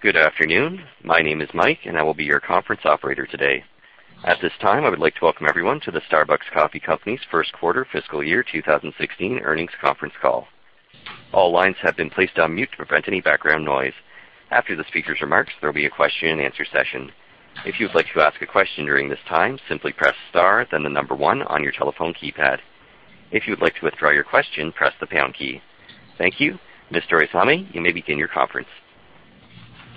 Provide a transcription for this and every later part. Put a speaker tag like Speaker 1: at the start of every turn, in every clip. Speaker 1: Good afternoon. My name is Mike, and I will be your conference operator today. At this time, I would like to welcome everyone to the Starbucks Coffee Company's first quarter fiscal year 2016 earnings conference call. All lines have been placed on mute to prevent any background noise. After the speaker's remarks, there will be a question and answer session. If you'd like to ask a question during this time, simply press star, then the number one on your telephone keypad. If you would like to withdraw your question, press the pound key. Thank you. Ms. Doraisamy, you may begin your conference.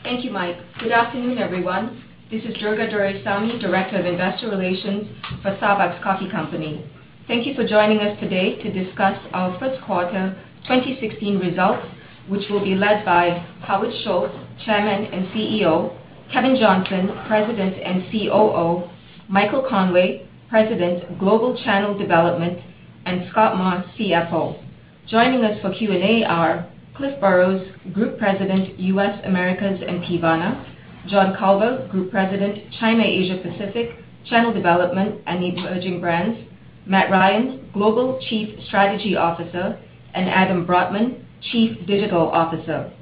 Speaker 2: Thank you, Mike. Good afternoon, everyone. This is Durga Doraisamy, Director of Investor Relations for Starbucks Coffee Company. Thank you for joining us today to discuss our first quarter 2016 results, which will be led by Howard Schultz, Chairman and CEO, Kevin Johnson, President and COO, Michael Conway, President, Global Channel Development, and Scott Maw, CFO. Joining us for Q&A are Cliff Burrows, Group President, U.S. Americas and Teavana, John Culver, Group President, China, Asia Pacific, Channel Development, and Emerging Brands, Matt Ryan, Global Chief Strategy Officer, and Adam Brotman, Chief Digital Officer.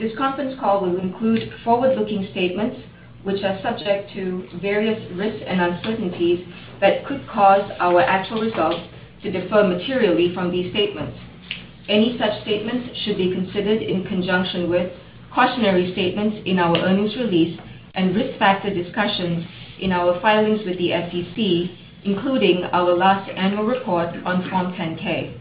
Speaker 2: This conference call will include forward-looking statements which are subject to various risks and uncertainties that could cause our actual results to differ materially from these statements. Any such statements should be considered in conjunction with cautionary statements in our earnings release and risk factor discussions in our filings with the SEC, including our last annual report on Form 10-K.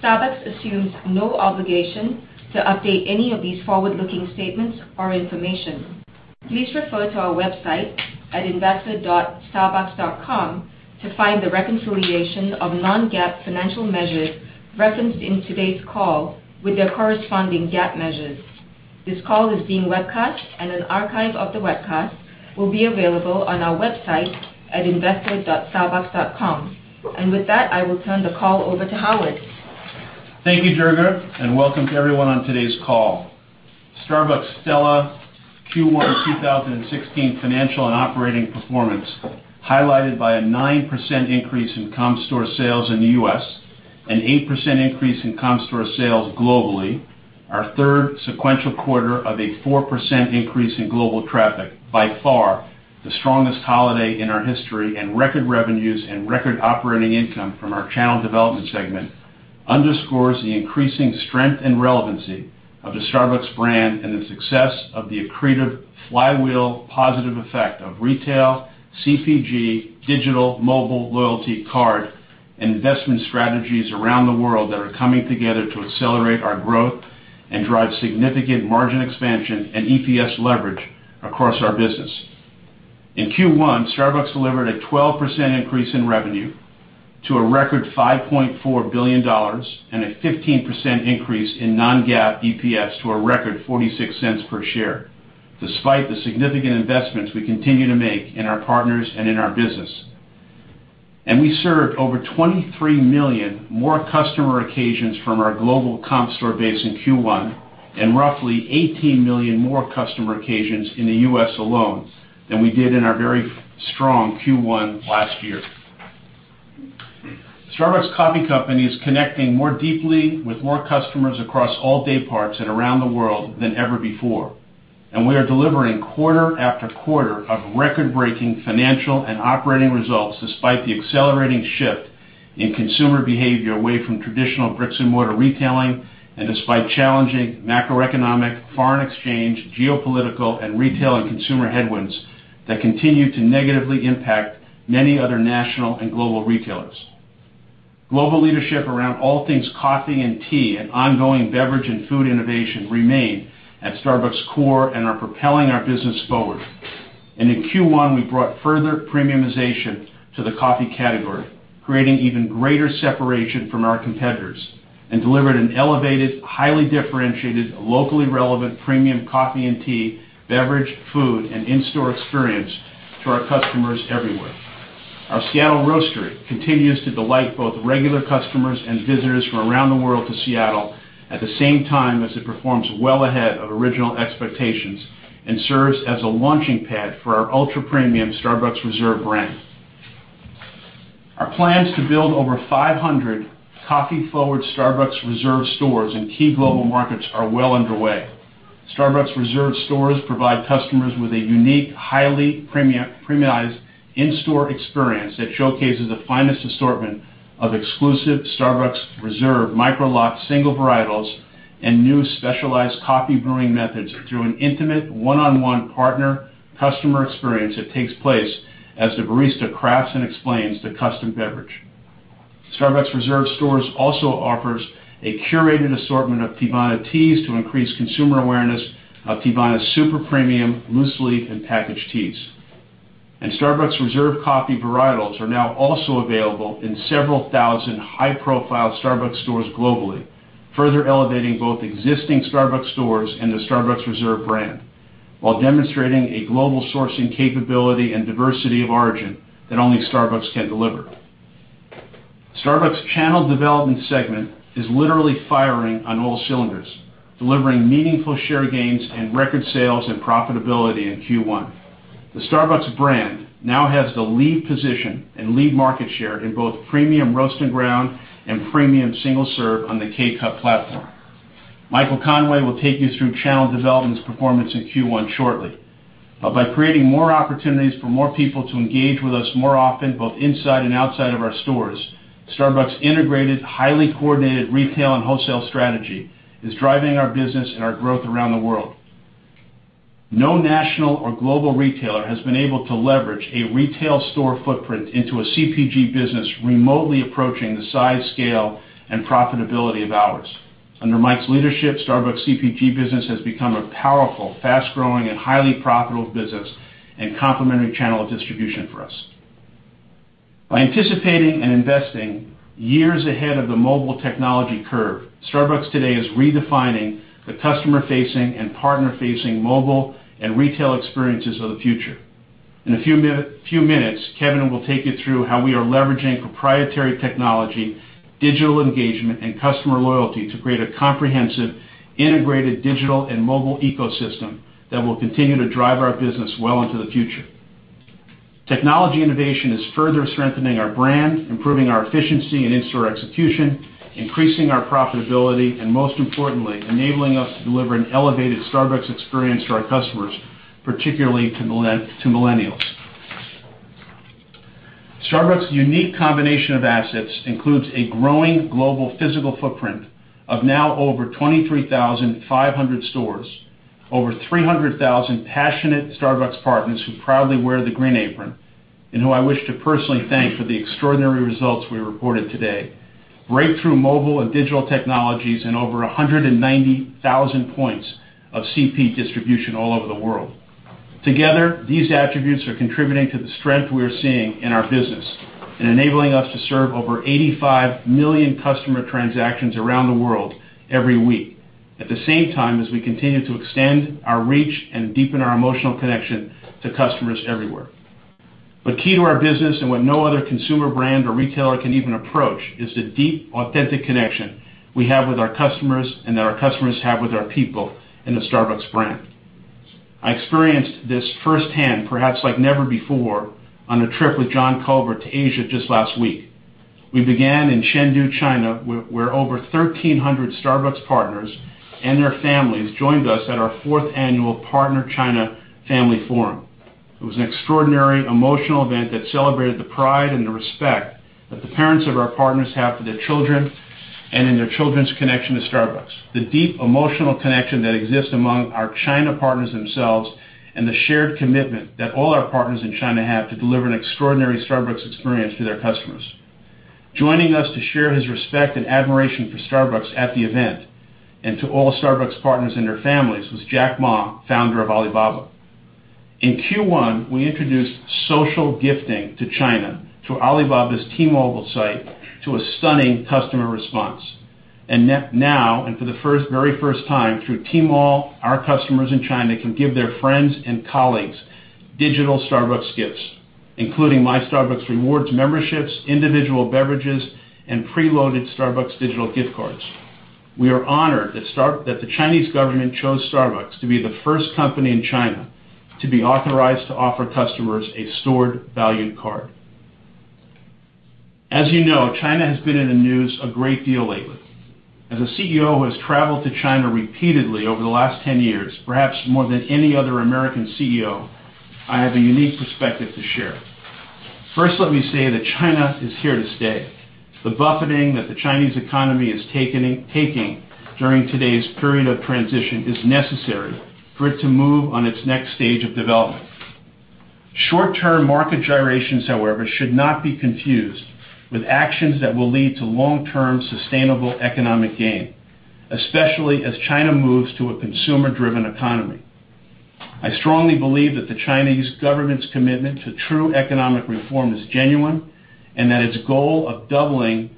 Speaker 2: Starbucks assumes no obligation to update any of these forward-looking statements or information. Please refer to our website at investor.starbucks.com to find the reconciliation of non-GAAP financial measures referenced in today's call with their corresponding GAAP measures. This call is being webcast, and an archive of the webcast will be available on our website at investor.starbucks.com. With that, I will turn the call over to Howard.
Speaker 3: Thank you, Durga, welcome to everyone on today's call. Starbucks' stellar Q1 2016 financial and operating performance, highlighted by a 9% increase in comp store sales in the U.S., an 8% increase in comp store sales globally, our third sequential quarter of a 4% increase in global traffic, by far the strongest holiday in our history, and record revenues and record operating income from our Channel Development segment underscores the increasing strength and relevancy of the Starbucks brand and the success of the accretive flywheel positive effect of retail, CPG, digital, mobile, loyalty card, and investment strategies around the world that are coming together to accelerate our growth and drive significant margin expansion and EPS leverage across our business. In Q1, Starbucks delivered a 12% increase in revenue to a record $5.4 billion and a 15% increase in non-GAAP EPS to a record $0.46 per share, despite the significant investments we continue to make in our partners and in our business. We served over 23 million more customer occasions from our global comp store base in Q1, and roughly 18 million more customer occasions in the U.S. alone than we did in our very strong Q1 last year. Starbucks Coffee Company is connecting more deeply with more customers across all day-parts and around the world than ever before. We are delivering quarter after quarter of record-breaking financial and operating results, despite the accelerating shift in consumer behavior away from traditional bricks and mortar retailing, and despite challenging macroeconomic, foreign exchange, geopolitical, and retail and consumer headwinds that continue to negatively impact many other national and global retailers. Global leadership around all things coffee and tea and ongoing beverage and food innovation remain at Starbucks' core and are propelling our business forward. In Q1, we brought further premiumization to the coffee category, creating even greater separation from our competitors, and delivered an elevated, highly differentiated, locally relevant premium coffee and tea, beverage, food, and in-store experience to our customers everywhere. Our Seattle Roastery continues to delight both regular customers and visitors from around the world to Seattle at the same time as it performs well ahead of original expectations and serves as a launching pad for our ultra-premium Starbucks Reserve brand. Our plans to build over 500 coffee-forward Starbucks Reserve stores in key global markets are well underway. Starbucks Reserve stores provide customers with a unique, highly premiumized in-store experience that showcases the finest assortment of exclusive Starbucks Reserve micro-lot single varietals and new specialized coffee brewing methods through an intimate one-on-one partner customer experience that takes place as the barista crafts and explains the custom beverage. Starbucks Reserve stores also offers a curated assortment of Teavana teas to increase consumer awareness of Teavana's super premium loose leaf and packaged teas. Starbucks Reserve coffee varietals are now also available in several thousand high-profile Starbucks stores globally, further elevating both existing Starbucks stores and the Starbucks Reserve brand while demonstrating a global sourcing capability and diversity of origin that only Starbucks can deliver. Starbucks' channel development segment is literally firing on all cylinders, delivering meaningful share gains and record sales and profitability in Q1. The Starbucks brand now has the lead position and lead market share in both premium roast and ground and premium single-serve on the K-Cup platform. Michael Conway will take you through channel development's performance in Q1 shortly. By creating more opportunities for more people to engage with us more often, both inside and outside of our stores, Starbucks' integrated, highly coordinated retail and wholesale strategy is driving our business and our growth around the world. No national or global retailer has been able to leverage a retail store footprint into a CPG business remotely approaching the size, scale, and profitability of ours. Under Mike's leadership, Starbucks' CPG business has become a powerful, fast-growing, and highly profitable business and complementary channel of distribution for us. By anticipating and investing years ahead of the mobile technology curve, Starbucks today is redefining the customer-facing and partner-facing mobile and retail experiences of the future. In a few minutes, Kevin will take you through how we are leveraging proprietary technology, digital engagement, and customer loyalty to create a comprehensive, integrated digital and mobile ecosystem that will continue to drive our business well into the future. Technology innovation is further strengthening our brand, improving our efficiency and in-store execution, increasing our profitability, and most importantly, enabling us to deliver an elevated Starbucks Experience to our customers, particularly to Millennials. Starbucks' unique combination of assets includes a growing global physical footprint of now over 23,500 stores, over 300,000 passionate Starbucks partners who proudly wear the green apron and who I wish to personally thank for the extraordinary results we reported today, breakthrough mobile and digital technologies in over 190,000 points of CPG distribution all over the world. Together, these attributes are contributing to the strength we are seeing in our business and enabling us to serve over 85 million customer transactions around the world every week, at the same time as we continue to extend our reach and deepen our emotional connection to customers everywhere. Key to our business, and what no other consumer brand or retailer can even approach, is the deep, authentic connection we have with our customers and that our customers have with our people and the Starbucks brand. I experienced this firsthand, perhaps like never before, on a trip with John Culver to Asia just last week. We began in Chengdu, China, where over 1,300 Starbucks partners and their families joined us at our fourth annual China Partner Family Forum. It was an extraordinary, emotional event that celebrated the pride and the respect that the parents of our partners have for their children and in their children's connection to Starbucks, the deep emotional connection that exists among our China partners themselves, and the shared commitment that all our partners in China have to deliver an extraordinary Starbucks Experience to their customers. Joining us to share his respect and admiration for Starbucks at the event, and to all Starbucks partners and their families, was Jack Ma, founder of Alibaba. In Q1, we introduced social gifting to China through Alibaba's Tmall site to a stunning customer response. Now, and for the very first time, through Tmall, our customers in China can give their friends and colleagues digital Starbucks gifts, including My Starbucks Rewards memberships, individual beverages, and preloaded Starbucks digital gift cards. We are honored that the Chinese government chose Starbucks to be the first company in China to be authorized to offer customers a stored value card. As you know, China has been in the news a great deal lately. As a CEO who has traveled to China repeatedly over the last 10 years, perhaps more than any other American CEO, I have a unique perspective to share. First, let me say that China is here to stay. The buffeting that the Chinese economy is taking during today's period of transition is necessary for it to move on its next stage of development. Short-term market gyrations, however, should not be confused with actions that will lead to long-term sustainable economic gain, especially as China moves to a consumer-driven economy. I strongly believe that the Chinese government's commitment to true economic reform is genuine and that its goal of doubling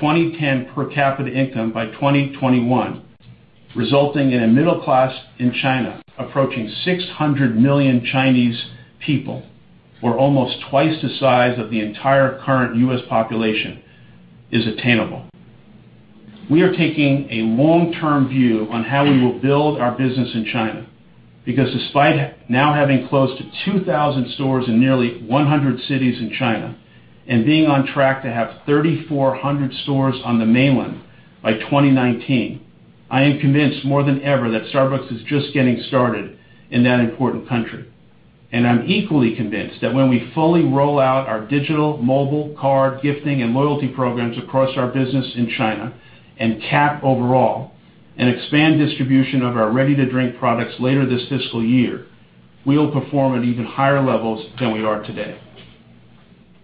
Speaker 3: 2010 per capita income by 2021, resulting in a middle class in China approaching 600 million Chinese people, or almost twice the size of the entire current U.S. population, is attainable. We are taking a long-term view on how we will build our business in China, because despite now having close to 2,000 stores in nearly 100 cities in China and being on track to have 3,400 stores on the mainland by 2019, I am convinced more than ever that Starbucks is just getting started in that important country. I'm equally convinced that when we fully roll out our digital, mobile, card, gifting, and loyalty programs across our business in China and CAP overall, and expand distribution of our ready-to-drink products later this fiscal year, we will perform at even higher levels than we are today.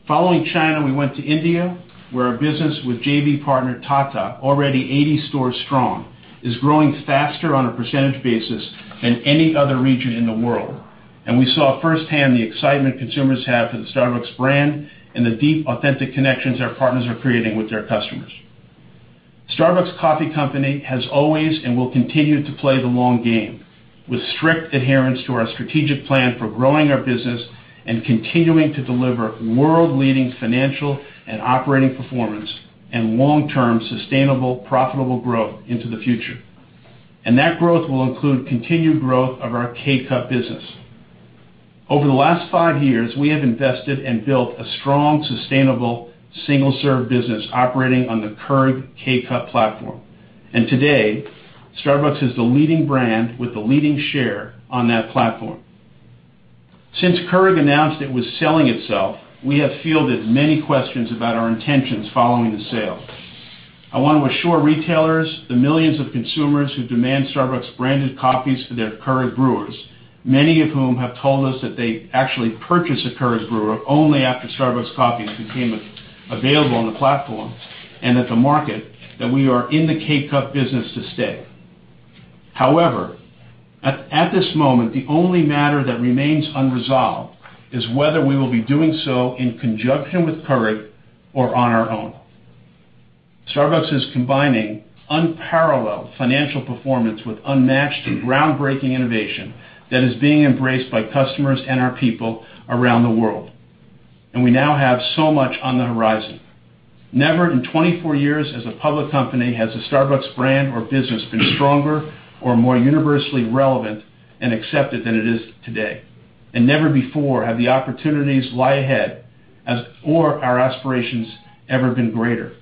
Speaker 3: Following China, we went to India, where our business with JV partner Tata, already 80 stores strong, is growing faster on a percentage basis than any other region in the world. We saw firsthand the excitement consumers have for the Starbucks brand and the deep, authentic connections our partners are creating with their customers. Starbucks Coffee Company has always and will continue to play the long game with strict adherence to our strategic plan for growing our business and continuing to deliver world-leading financial and operating performance and long-term sustainable, profitable growth into the future. That growth will include continued growth of our K-Cup business. Over the last five years, we have invested and built a strong, sustainable single-serve business operating on the Keurig K-Cup platform. Today, Starbucks is the leading brand with the leading share on that platform. Since Keurig announced it was selling itself, we have fielded many questions about our intentions following the sale. I want to assure retailers, the millions of consumers who demand Starbucks branded coffees for their Keurig brewers, many of whom have told us that they actually purchase a Keurig brewer only after Starbucks Coffee became available on the platform, and at the market, that we are in the K-Cup business to stay. However, at this moment, the only matter that remains unresolved is whether we will be doing so in conjunction with Keurig or on our own. Starbucks is combining unparalleled financial performance with unmatched and groundbreaking innovation that is being embraced by customers and our people around the world. We now have so much on the horizon. Never in 24 years as a public company has the Starbucks brand or business been stronger or more universally relevant and accepted than it is today. Never before have the opportunities lie ahead, or our aspirations ever been greater.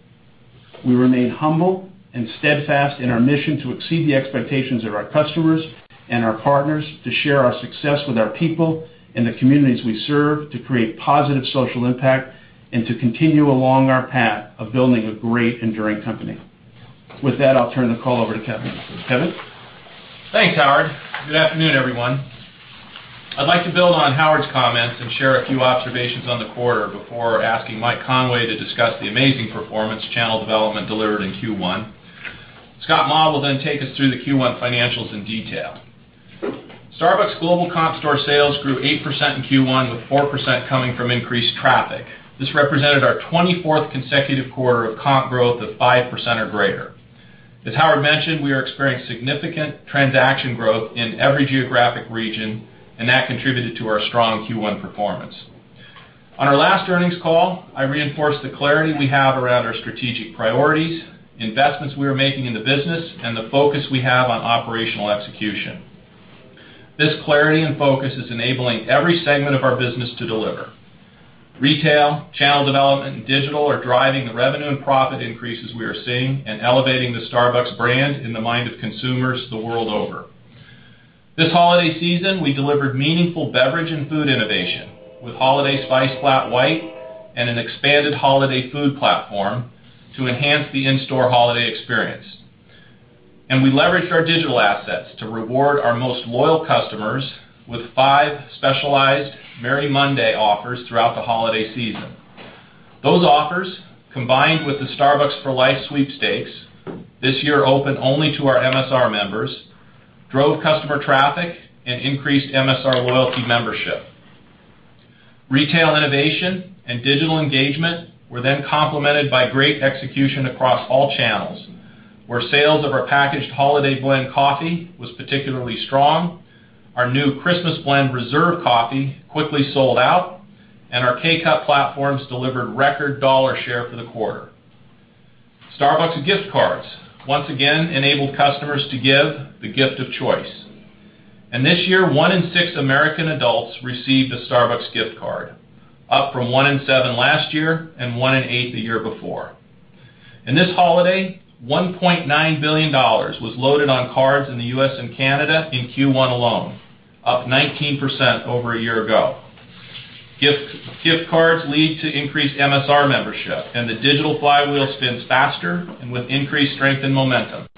Speaker 3: We remain humble and steadfast in our mission to exceed the expectations of our customers and our partners, to share our success with our people in the communities we serve, to create positive social impact, and to continue along our path of building a great, enduring company. With that, I'll turn the call over to Kevin. Kevin?
Speaker 4: Thanks, Howard. Good afternoon, everyone. I'd like to build on Howard's comments and share a few observations on the quarter before asking Mike Conway to discuss the amazing performance Channel Development delivered in Q1. Scott Maw will take us through the Q1 financials in detail. Starbucks global comp store sales grew 8% in Q1, with 4% coming from increased traffic. This represented our 24th consecutive quarter of comp growth of 5% or greater. As Howard mentioned, we are experiencing significant transaction growth in every geographic region, that contributed to our strong Q1 performance. On our last earnings call, I reinforced the clarity we have around our strategic priorities, investments we are making in the business, and the focus we have on operational execution. This clarity and focus is enabling every segment of our business to deliver. Retail, Channel Development, and Digital are driving the revenue and profit increases we are seeing and elevating the Starbucks brand in the mind of consumers the world over. This holiday season, we delivered meaningful beverage and food innovation with Holiday Spice Flat White and an expanded holiday food platform to enhance the in-store holiday experience. We leveraged our digital assets to reward our most loyal customers with five specialized Merry Monday offers throughout the holiday season. Those offers, combined with the Starbucks for Life sweepstakes, this year open only to our MSR members, drove customer traffic and increased MSR loyalty membership. Retail innovation and digital engagement were complemented by great execution across all channels, where sales of our packaged Holiday Blend coffee was particularly strong, our new Christmas Blend Reserve coffee quickly sold out, our K-Cup platforms delivered record dollar share for the quarter. Starbucks gift cards once again enabled customers to give the gift of choice. This year, one in six American adults received a Starbucks gift card, up from one in seven last year and one in eight the year before. This holiday, $1.9 billion was loaded on cards in the U.S. and Canada in Q1 alone, up 19% over a year ago. Gift cards lead to increased MSR membership, the digital flywheel spins faster and with increased strength and momentum.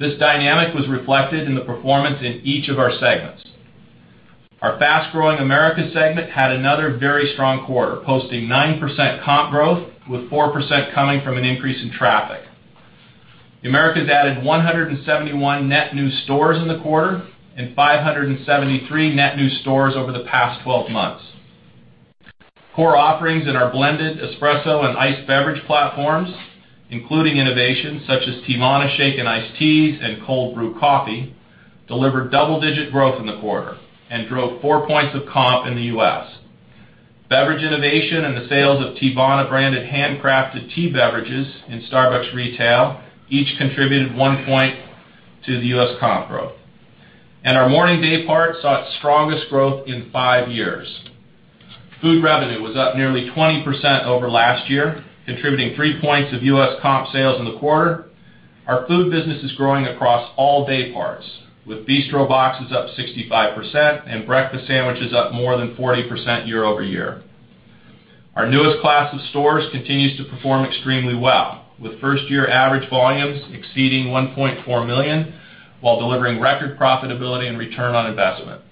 Speaker 4: This dynamic was reflected in the performance in each of our segments. Our fast-growing Americas segment had another very strong quarter, posting 9% comp growth, with 4% coming from an increase in traffic. The Americas added 171 net new stores in the quarter and 573 net new stores over the past 12 months. Core offerings in our blended espresso and iced beverage platforms, including innovations such as Teavana Shaken Iced Teas and Cold Brew Coffee, delivered double-digit growth in the quarter and drove four points of comp in the U.S. Beverage innovation and the sales of Teavana-branded handcrafted tea beverages in Starbucks retail each contributed one point to the U.S. comp growth. Our morning daypart saw its strongest growth in five years. Food revenue was up nearly 20% over last year, contributing three points of U.S. comp sales in the quarter. Our food business is growing across all dayparts, with bistro boxes up 65% and breakfast sandwiches up more than 40% year-over-year. Our newest class of stores continues to perform extremely well, with first-year average volumes exceeding 1.4 million while delivering record profitability and return on investment.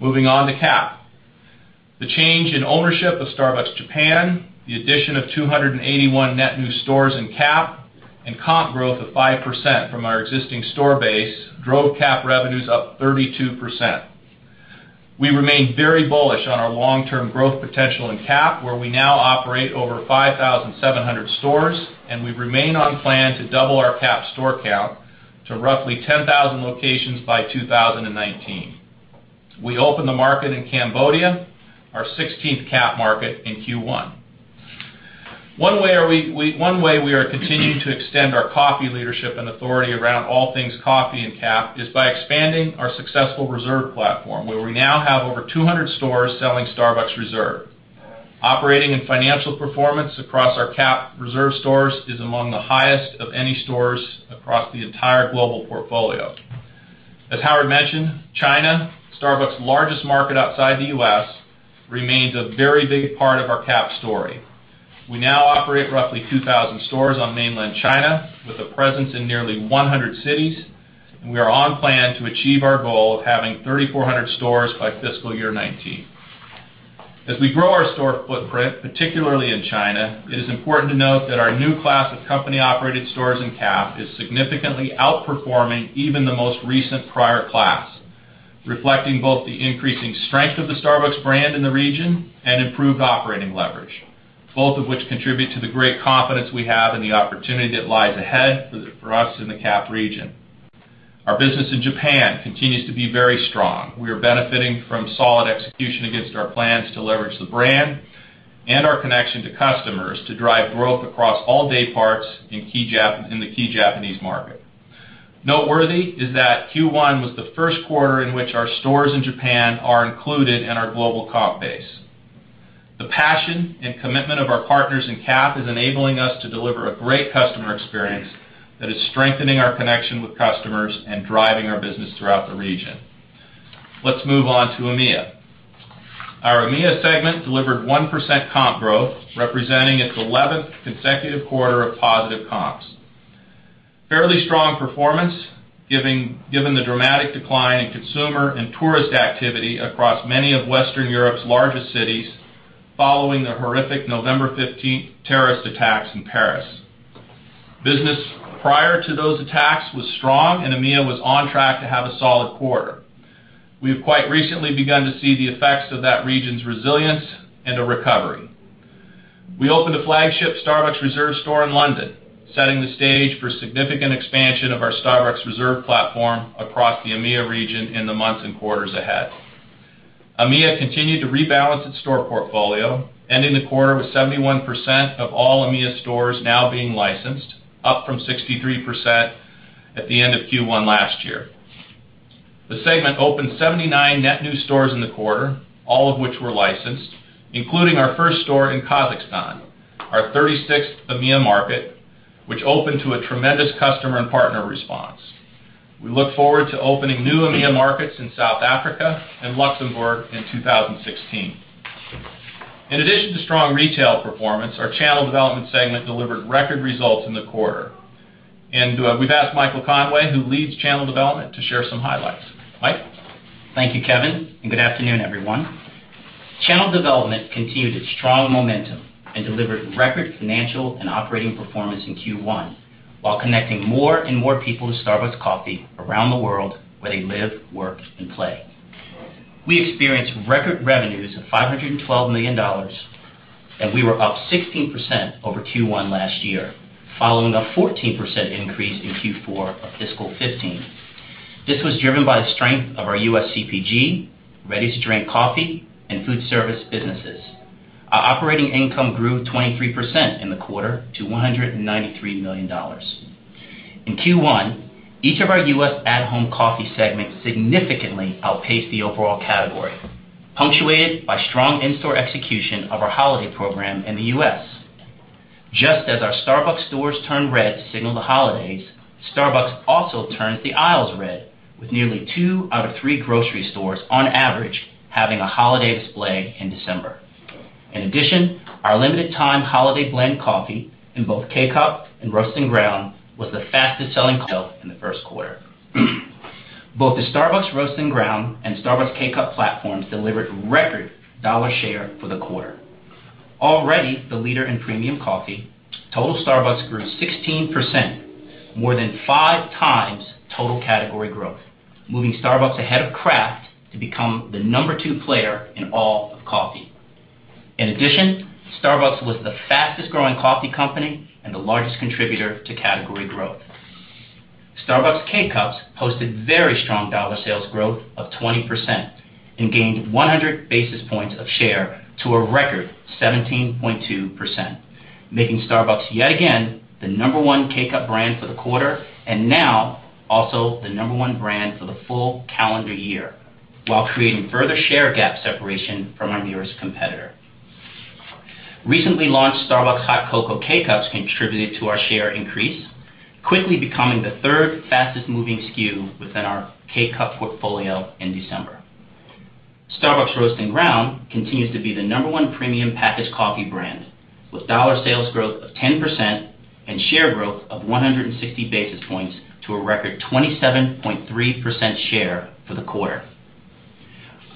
Speaker 4: Moving on to CAP. The change in ownership of Starbucks Japan, the addition of 281 net new stores in CAP, and comp growth of 5% from our existing store base drove CAP revenues up 32%. We remain very bullish on our long-term growth potential in CAP, where we now operate over 5,700 stores, and we remain on plan to double our CAP store count to roughly 10,000 locations by 2019. We opened the market in Cambodia, our 16th CAP market, in Q1. One way we are continuing to extend our coffee leadership and authority around all things coffee in CAP is by expanding our successful Reserve platform, where we now have over 200 stores selling Starbucks Reserve. Operating and financial performance across our CAP Reserve stores is among the highest of any stores across the entire global portfolio. As Howard mentioned, China, Starbucks largest market outside the U.S., remains a very big part of our CAP story. We now operate roughly 2,000 stores on mainland China, with a presence in nearly 100 cities, and we are on plan to achieve our goal of having 3,400 stores by fiscal year 2019. As we grow our store footprint, particularly in China, it is important to note that our new class of company-operated stores in CAP is significantly outperforming even the most recent prior class, reflecting both the increasing strength of the Starbucks brand in the region and improved operating leverage, both of which contribute to the great confidence we have in the opportunity that lies ahead for us in the CAP region. Our business in Japan continues to be very strong. We are benefiting from solid execution against our plans to leverage the brand and our connection to customers to drive growth across all day parts in the key Japanese market. Noteworthy is that Q1 was the first quarter in which our stores in Japan are included in our global comp base. The passion and commitment of our partners in CAP is enabling us to deliver a great customer experience that is strengthening our connection with customers and driving our business throughout the region. Let's move on to EMEA. Our EMEA segment delivered 1% comp growth, representing its 11th consecutive quarter of positive comps. Fairly strong performance, given the dramatic decline in consumer and tourist activity across many of Western Europe's largest cities following the horrific November 15th terrorist attacks in Paris. Business prior to those attacks was strong, and EMEA was on track to have a solid quarter. We have quite recently begun to see the effects of that region's resilience and a recovery. We opened a flagship Starbucks Reserve store in London, setting the stage for significant expansion of our Starbucks Reserve platform across the EMEA region in the months and quarters ahead. EMEA continued to rebalance its store portfolio, ending the quarter with 71% of all EMEA stores now being licensed, up from 63% at the end of Q1 last year. The segment opened 79 net new stores in the quarter, all of which were licensed, including our first store in Kazakhstan, our 36th EMEA market, which opened to a tremendous customer and partner response. We look forward to opening new EMEA markets in South Africa and Luxembourg in 2016. In addition to strong retail performance, our channel development segment delivered record results in the quarter. We've asked Michael Conway, who leads Channel Development, to share some highlights. Mike?
Speaker 5: Thank you, Kevin, and good afternoon, everyone. Channel Development continued its strong momentum and delivered record financial and operating performance in Q1, while connecting more and more people to Starbucks coffee around the world where they live, work, and play. We experienced record revenues of $512 million. We were up 16% over Q1 last year, following a 14% increase in Q4 of fiscal 2015. This was driven by the strength of our U.S. CPG, ready-to-drink coffee, and food service businesses. Our operating income grew 23% in the quarter to $193 million. In Q1, each of our U.S. at-home coffee segments significantly outpaced the overall category, punctuated by strong in-store execution of our holiday program in the U.S. Just as our Starbucks stores turn red to signal the holidays, Starbucks also turns the aisles red with nearly two out of three grocery stores on average having a holiday display in December. In addition, our limited time Starbucks Holiday Blend coffee in both K-Cup and Starbucks Roast & Ground was the fastest-selling in the first quarter. Both the Starbucks Roast & Ground and Starbucks K-Cup platforms delivered record dollar share for the quarter. Already the leader in premium coffee, total Starbucks grew 16%, more than five times total category growth, moving Starbucks ahead of Kraft to become the number 2 player in all of coffee. In addition, Starbucks was the fastest-growing coffee company and the largest contributor to category growth. Starbucks K-Cups posted very strong dollar sales growth of 20% and gained 100 basis points of share to a record 17.2%, making Starbucks yet again the number 1 K-Cup brand for the quarter and now also the number 1 brand for the full calendar year while creating further share gap separation from our nearest competitor. Recently launched Starbucks Hot Cocoa K-Cups contributed to our share increase, quickly becoming the 3rd fastest-moving SKU within our K-Cup portfolio in December. Starbucks Roast & Ground continues to be the number 1 premium packaged coffee brand, with dollar sales growth of 10% and share growth of 160 basis points to a record 27.3% share for the quarter.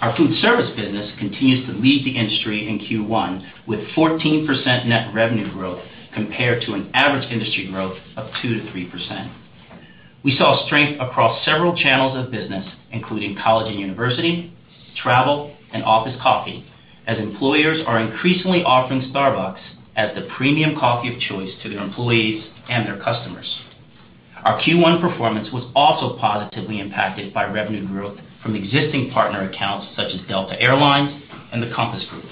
Speaker 5: Our food service business continues to lead the industry in Q1, with 14% net revenue growth compared to an average industry growth of 2%-3%. We saw strength across several channels of business, including college and university, travel, and office coffee, as employers are increasingly offering Starbucks as the premium coffee of choice to their employees and their customers. Our Q1 performance was also positively impacted by revenue growth from existing partner accounts such as Delta Air Lines and the Compass Group.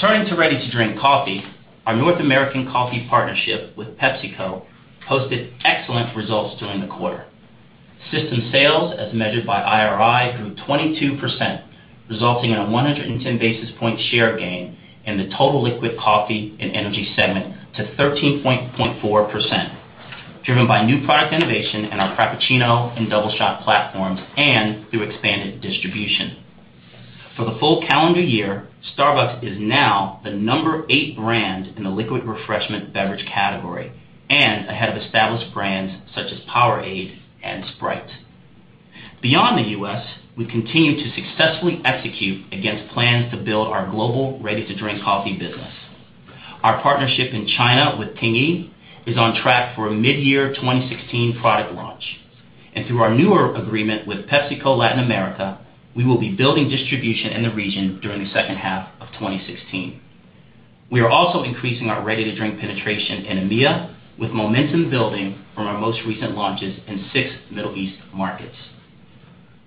Speaker 5: Turning to ready-to-drink coffee, our North American Coffee Partnership with PepsiCo posted excellent results during the quarter. System sales, as measured by IRI, grew 22%, resulting in a 110 basis point share gain in the total liquid coffee and energy segment to 13.4%, driven by new product innovation in our Frappuccino and Doubleshot platforms and through expanded distribution. For the full calendar year, Starbucks is now the number eight brand in the liquid refreshment beverage category and ahead of established brands such as Powerade and Sprite. Through our newer agreement with PepsiCo Latin America, we will be building distribution in the region during the second half of 2016. We are also increasing our ready-to-drink penetration in EMEA, with momentum building from our most recent launches in six Middle East markets.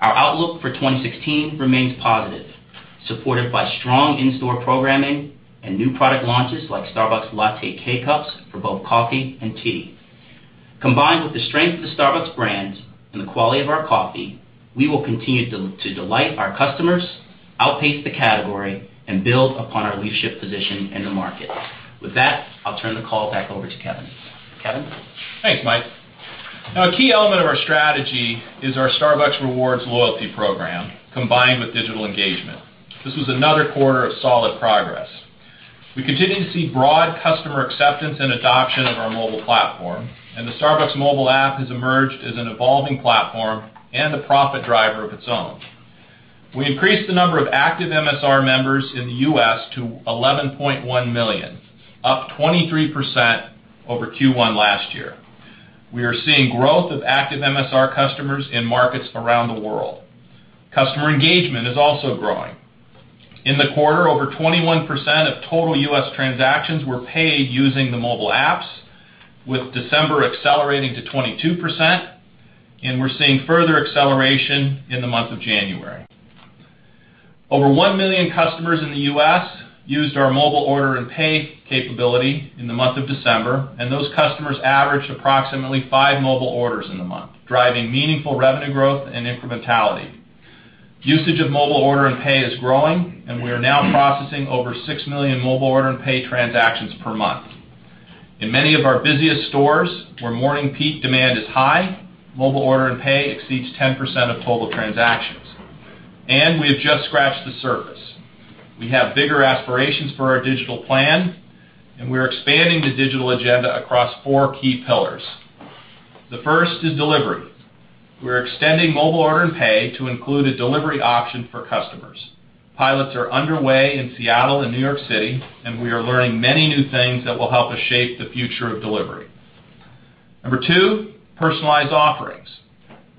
Speaker 5: Our outlook for 2016 remains positive, supported by strong in-store programming and new product launches like Starbucks Latte K-Cups for both coffee and tea. Combined with the strength of the Starbucks brand and the quality of our coffee, we will continue to delight our customers, outpace the category, and build upon our leadership position in the market. With that, I'll turn the call back over to Kevin. Kevin?
Speaker 4: Thanks, Mike. Now, a key element of our strategy is our Starbucks Rewards loyalty program, combined with digital engagement. This was another quarter of solid progress. We continue to see broad customer acceptance and adoption of our mobile platform, and the Starbucks mobile app has emerged as an evolving platform and a profit driver of its own. We increased the number of active MSR members in the U.S. to 11.1 million, up 23% over Q1 last year. We are seeing growth of active MSR customers in markets around the world. Customer engagement is also growing. In the quarter, over 21% of total U.S. transactions were paid using the mobile apps, with December accelerating to 22%, and we're seeing further acceleration in the month of January. Over 1 million customers in the U.S. used our mobile order and pay capability in the month of December, and those customers averaged approximately five mobile orders in the month, driving meaningful revenue growth and incrementality. Usage of mobile order and pay is growing, and we are now processing over 6 million mobile order and pay transactions per month. In many of our busiest stores where morning peak demand is high, mobile order and pay exceeds 10% of total transactions. We have just scratched the surface. We have bigger aspirations for our digital plan, and we are expanding the digital agenda across four key pillars. The first is delivery. We're extending mobile order and pay to include a delivery option for customers. Pilots are underway in Seattle and New York City, and we are learning many new things that will help us shape the future of delivery. Number 2, personalized offerings.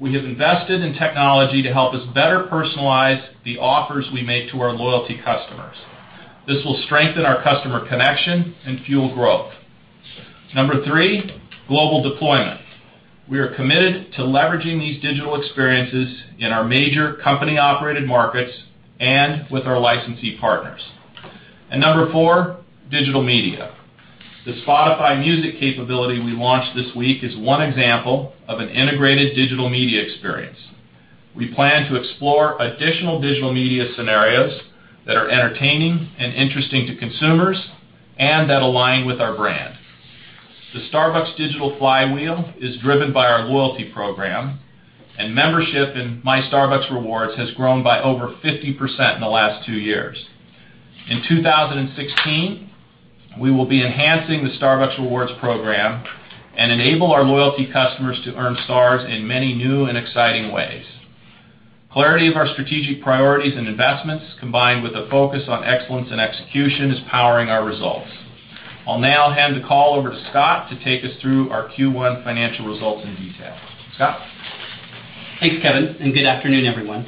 Speaker 4: We have invested in technology to help us better personalize the offers we make to our loyalty customers. This will strengthen our customer connection and fuel growth. Number 3, global deployment. We are committed to leveraging these digital experiences in our major company-operated markets and with our licensee partners. Number 4, digital media. The Spotify music capability we launched this week is one example of an integrated digital media experience. We plan to explore additional digital media scenarios that are entertaining and interesting to consumers and that align with our brand. The Starbucks digital flywheel is driven by our loyalty program, and membership in My Starbucks Rewards has grown by over 50% in the last two years. In 2016, we will be enhancing the Starbucks Rewards program and enable our loyalty customers to earn stars in many new and exciting ways. Clarity of our strategic priorities and investments, combined with a focus on excellence and execution, is powering our results. I'll now hand the call over to Scott to take us through our Q1 financial results in detail. Scott?
Speaker 6: Thanks, Kevin. Good afternoon, everyone.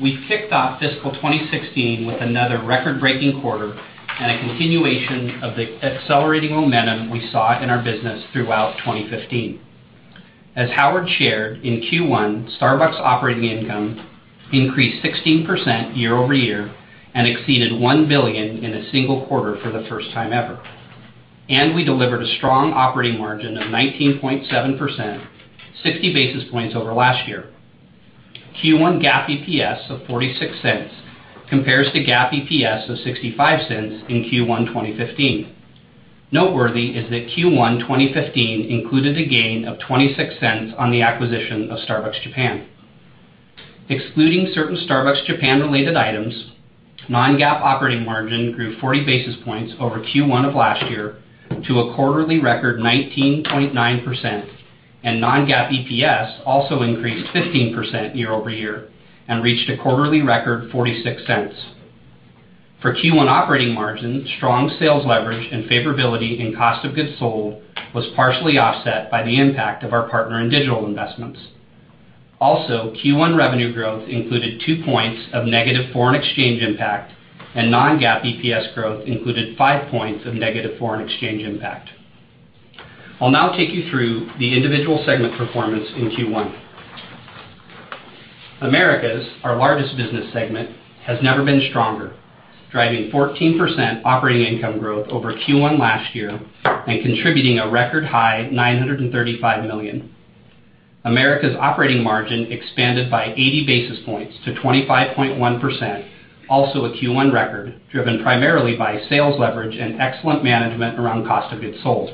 Speaker 6: We kicked off fiscal 2016 with another record-breaking quarter and a continuation of the accelerating momentum we saw in our business throughout 2015. As Howard shared, in Q1, Starbucks operating income increased 16% year-over-year and exceeded $1 billion in a single quarter for the first time ever, and we delivered a strong operating margin of 19.7%, 60 basis points over last year. Q1 GAAP EPS of $0.46 compares to GAAP EPS of $0.65 in Q1 2015. Noteworthy is that Q1 2015 included a gain of $0.26 on the acquisition of Starbucks Japan. Excluding certain Starbucks Japan-related items, non-GAAP operating margin grew 40 basis points over Q1 of last year to a quarterly record 19.9%, and non-GAAP EPS also increased 15% year-over-year and reached a quarterly record $0.46. For Q1 operating margin, strong sales leverage and favorability in cost of goods sold was partially offset by the impact of our partner in digital investments. Q1 revenue growth included 2 points of negative foreign exchange impact, and non-GAAP EPS growth included 5 points of negative foreign exchange impact. I'll now take you through the individual segment performance in Q1. Americas, our largest business segment, has never been stronger, driving 14% operating income growth over Q1 last year and contributing a record high $935 million. Americas operating margin expanded by 80 basis points to 25.1%, also a Q1 record, driven primarily by sales leverage and excellent management around cost of goods sold.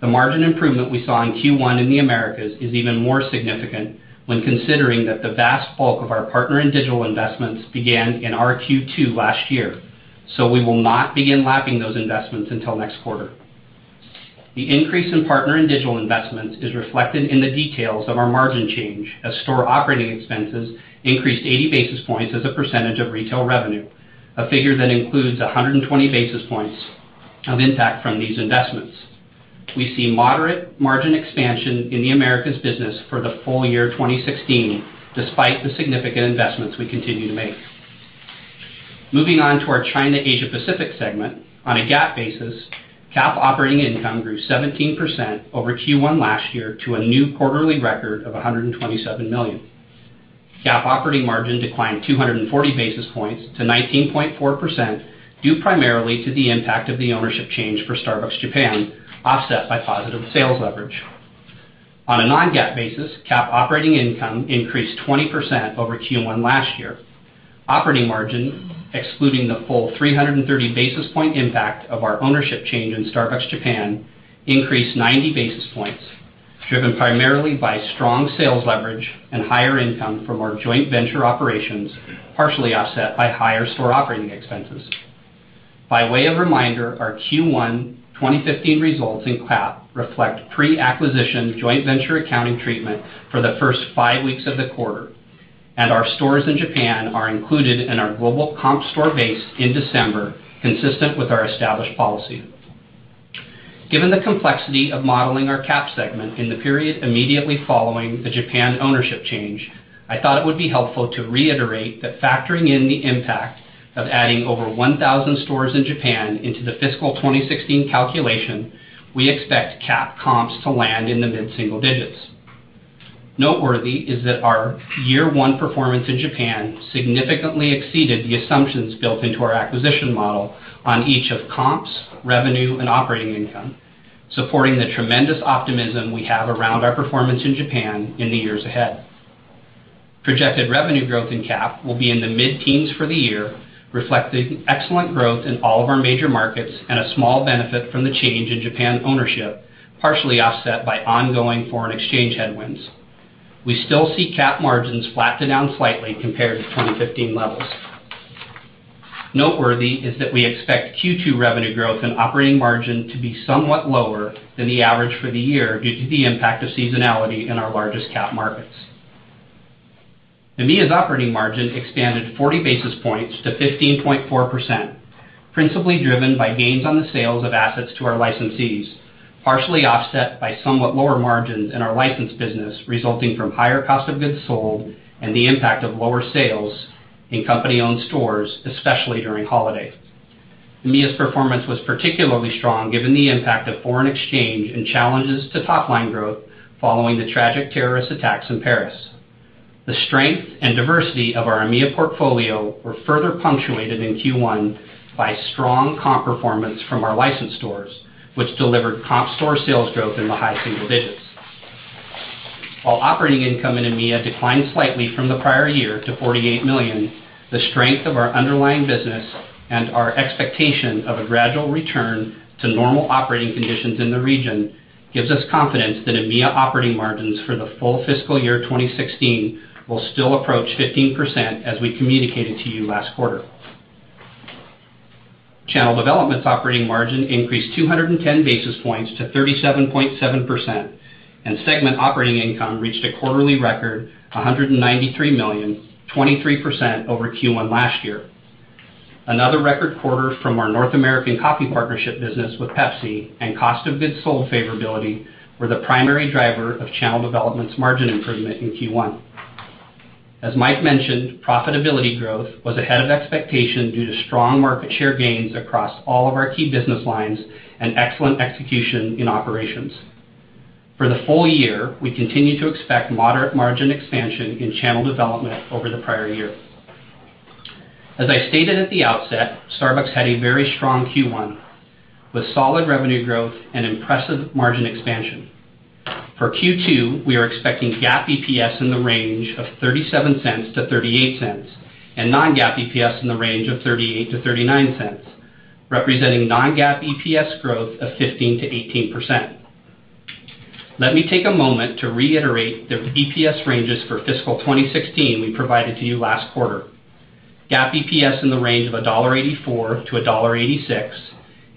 Speaker 6: The margin improvement we saw in Q1 in the Americas is even more significant when considering that the vast bulk of our partner in digital investments began in our Q2 last year. We will not begin lapping those investments until next quarter. The increase in partner in digital investments is reflected in the details of our margin change, as store operating expenses increased 80 basis points as a percentage of retail revenue, a figure that includes 120 basis points of impact from these investments. We see moderate margin expansion in the Americas business for the full year 2016, despite the significant investments we continue to make. Moving on to our China, Asia Pacific segment. On a GAAP basis, CAP operating income grew 17% over Q1 last year to a new quarterly record of $127 million. GAAP operating margin declined 240 basis points to 19.4%, due primarily to the impact of the ownership change for Starbucks Japan, offset by positive sales leverage. On a non-GAAP basis, CAP operating income increased 20% over Q1 last year. Operating margin, excluding the full 330 basis point impact of our ownership change in Starbucks Japan, increased 90 basis points, driven primarily by strong sales leverage and higher income from our joint venture operations, partially offset by higher store operating expenses. By way of reminder, our Q1 2015 results in CAP reflect pre-acquisition joint venture accounting treatment for the first 5 weeks of the quarter, and our stores in Japan are included in our global comp store base in December, consistent with our established policy. Given the complexity of modeling our CAP segment in the period immediately following the Japan ownership change, I thought it would be helpful to reiterate that factoring in the impact of adding over 1,000 stores in Japan into the fiscal 2016 calculation, we expect CAP comps to land in the mid-single digits. Noteworthy is that our year 1 performance in Japan significantly exceeded the assumptions built into our acquisition model on each of comps, revenue, and operating income, supporting the tremendous optimism we have around our performance in Japan in the years ahead. Projected revenue growth in CAP will be in the mid-teens for the year, reflecting excellent growth in all of our major markets and a small benefit from the change in Japan ownership, partially offset by ongoing foreign exchange headwinds. We still see CAP margins flat to down slightly compared to 2015 levels. Noteworthy is that we expect Q2 revenue growth and operating margin to be somewhat lower than the average for the year due to the impact of seasonality in our largest CAP markets. EMEA's operating margin expanded 40 basis points to 15.4%, principally driven by gains on the sales of assets to our licensees, partially offset by somewhat lower margins in our license business, resulting from higher cost of goods sold and the impact of lower sales in company-owned stores, especially during holidays. EMEA's performance was particularly strong given the impact of foreign exchange and challenges to top-line growth following the tragic terrorist attacks in Paris. The strength and diversity of our EMEA portfolio were further punctuated in Q1 by strong comp performance from our licensed stores, which delivered comp store sales growth in the high single digits. While operating income in EMEA declined slightly from the prior year to $48 million, the strength of our underlying business and our expectation of a gradual return to normal operating conditions in the region gives us confidence that EMEA operating margins for the full fiscal year 2016 will still approach 15%, as we communicated to you last quarter. Channel Development's operating margin increased 210 basis points to 37.7%, and segment operating income reached a quarterly record $193 million, 23% over Q1 last year. Another record quarter from our North American Coffee Partnership business with Pepsi and cost of goods sold favorability were the primary driver of Channel Development's margin improvement in Q1. As Mike mentioned, profitability growth was ahead of expectation due to strong market share gains across all of our key business lines and excellent execution in operations. For the full year, we continue to expect moderate margin expansion in Channel Development over the prior year. As I stated at the outset, Starbucks had a very strong Q1 with solid revenue growth and impressive margin expansion. For Q2, we are expecting GAAP EPS in the range of $0.37-$0.38, and non-GAAP EPS in the range of $0.38-$0.39, representing non-GAAP EPS growth of 15%-18%. Let me take a moment to reiterate the EPS ranges for fiscal 2016 we provided to you last quarter. GAAP EPS in the range of $1.84-$1.86,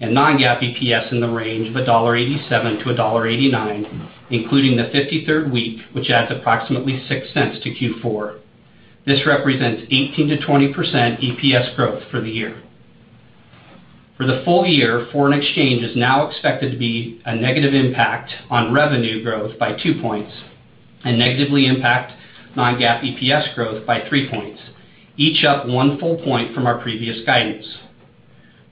Speaker 6: and non-GAAP EPS in the range of $1.87-$1.89, including the 53rd week, which adds approximately $0.06 to Q4. This represents 18%-20% EPS growth for the year. For the full year, foreign exchange is now expected to be a negative impact on revenue growth by two points and negatively impact non-GAAP EPS growth by three points, each up one full point from our previous guidance.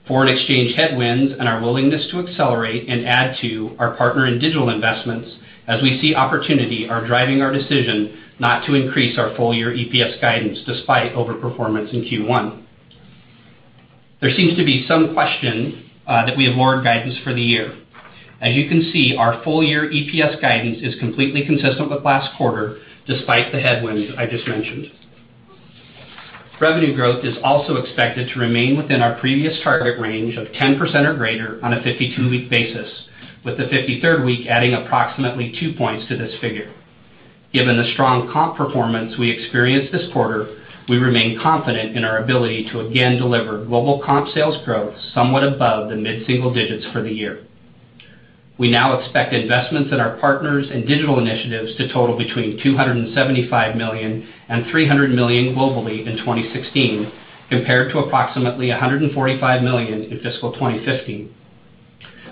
Speaker 6: Foreign exchange headwinds and our willingness to accelerate and add to our partner in digital investments, as we see opportunity, are driving our decision not to increase our full-year EPS guidance despite overperformance in Q1. There seems to be some question that we have lowered guidance for the year. As you can see, our full-year EPS guidance is completely consistent with last quarter, despite the headwinds I just mentioned. Revenue growth is also expected to remain within our previous target range of 10% or greater on a 52-week basis, with the 53rd week adding approximately two points to this figure. Given the strong comp performance we experienced this quarter, we remain confident in our ability to again deliver global comp sales growth somewhat above the mid-single digits for the year. We now expect investments in our partners and digital initiatives to total between $275 million and $300 million globally in 2016, compared to approximately $145 million in fiscal 2015.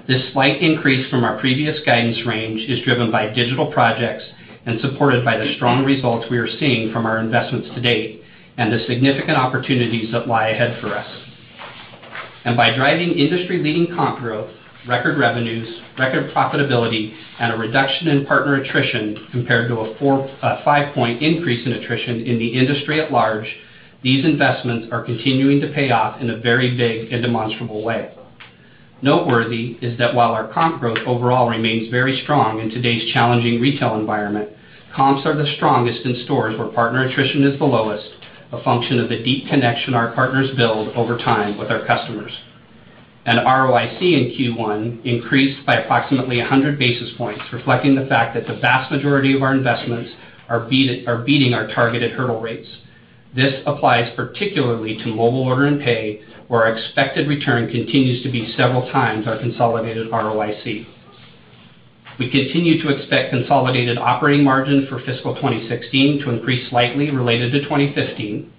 Speaker 6: This slight increase from our previous guidance range is driven by digital projects and supported by the strong results we are seeing from our investments to date and the significant opportunities that lie ahead for us. By driving industry-leading comp growth, record revenues, record profitability, and a reduction in partner attrition compared to a 5-point increase in attrition in the industry at large, these investments are continuing to pay off in a very big and demonstrable way. Noteworthy is that while our comp growth overall remains very strong in today's challenging retail environment, comps are the strongest in stores where partner attrition is the lowest, a function of the deep connection our partners build over time with our customers. ROIC in Q1 increased by approximately 100 basis points, reflecting the fact that the vast majority of our investments are beating our targeted hurdle rates. This applies particularly to mobile order and pay, where our expected return continues to be several times our consolidated ROIC. We continue to expect consolidated operating margin for fiscal 2016 to increase slightly related to 2015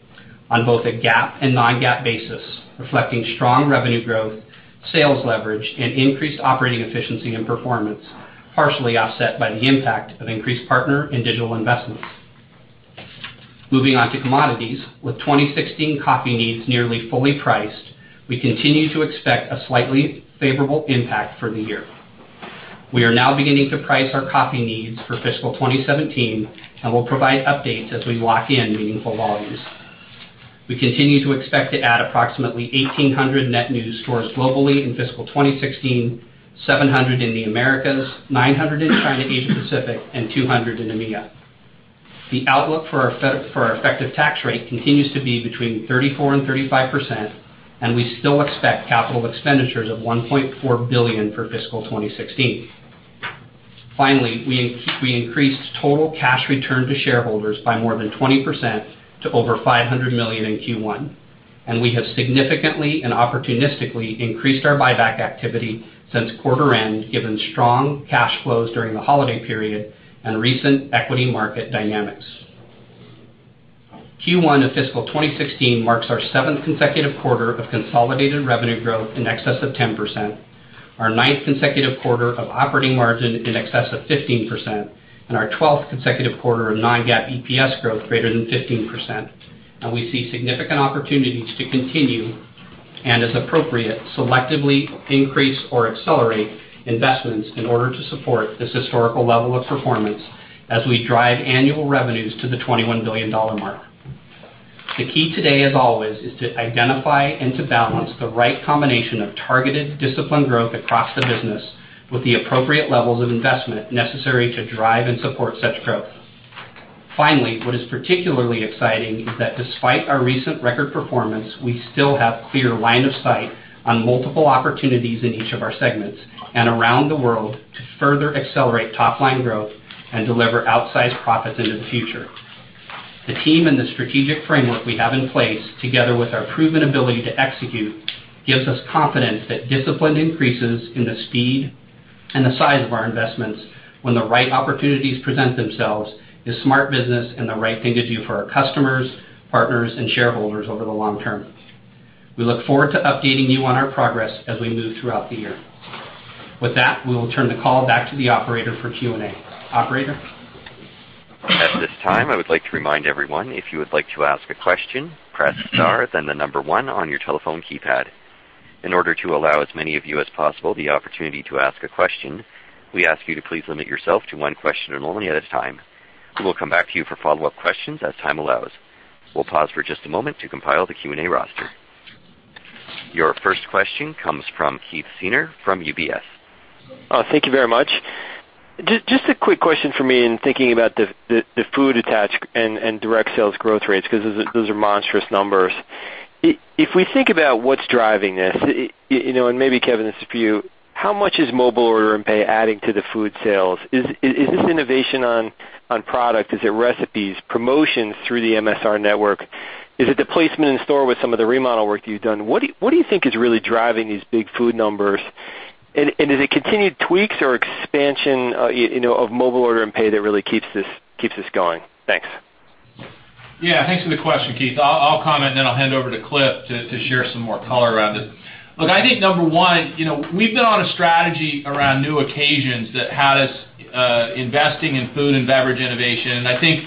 Speaker 6: on both a GAAP and non-GAAP basis, reflecting strong revenue growth, sales leverage, and increased operating efficiency and performance, partially offset by the impact of increased partner and digital investments. Moving on to commodities, with 2016 coffee needs nearly fully priced, we continue to expect a slightly favorable impact for the year. We are now beginning to price our coffee needs for fiscal 2017 and will provide updates as we lock in meaningful volumes. We continue to expect to add approximately 1,800 net new stores globally in fiscal 2016, 700 in the Americas, 900 in China, Asia Pacific, and 200 in EMEA. The outlook for our effective tax rate continues to be between 34% and 35%, and we still expect capital expenditures of $1.4 billion for fiscal 2016. Finally, we increased total cash return to shareholders by more than 20% to over $500 million in Q1, and we have significantly and opportunistically increased our buyback activity since quarter end, given strong cash flows during the holiday period and recent equity market dynamics. Q1 of fiscal 2016 marks our seventh consecutive quarter of consolidated revenue growth in excess of 10%, our ninth consecutive quarter of operating margin in excess of 15%, and our 12th consecutive quarter of non-GAAP EPS growth greater than 15%. We see significant opportunities to continue and, as appropriate, selectively increase or accelerate investments in order to support this historical level of performance as we drive annual revenues to the $21 billion mark. The key today, as always, is to identify and to balance the right combination of targeted, disciplined growth across the business with the appropriate levels of investment necessary to drive and support such growth. What is particularly exciting is that despite our recent record performance, we still have clear line of sight on multiple opportunities in each of our segments and around the world to further accelerate top-line growth and deliver outsized profits into the future. The team and the strategic framework we have in place, together with our proven ability to execute, gives us confidence that disciplined increases in the speed and the size of our investments when the right opportunities present themselves is smart business and the right thing to do for our customers, partners, and shareholders over the long term. We look forward to updating you on our progress as we move throughout the year. With that, we will turn the call back to the operator for Q&A. Operator?
Speaker 1: At this time, I would like to remind everyone, if you would like to ask a question, press star, then the number 1 on your telephone keypad. In order to allow as many of you as possible the opportunity to ask a question, we ask you to please limit yourself to 1 question only at a time. We will come back to you for follow-up questions as time allows. We'll pause for just a moment to compile the Q&A roster. Your first question comes from Keith Siegner from UBS.
Speaker 7: Thank you very much. A quick question from me in thinking about the food attach and direct sales growth rates because those are monstrous numbers. If we think about what's driving this, and maybe Kevin, this is for you, how much is Mobile Order & Pay adding to the food sales? Is this innovation on product? Is it recipes, promotions through the MSR network? Is it the placement in store with some of the remodel work you've done? What do you think is really driving these big food numbers? Is it continued tweaks or expansion of Mobile Order & Pay that really keeps this going? Thanks.
Speaker 4: Yeah, thanks for the question, Keith. I'll comment, then I'll hand over to Cliff to share some more color around it. I think number 1, we've been on a strategy around new occasions that had us investing in food and beverage innovation. I think,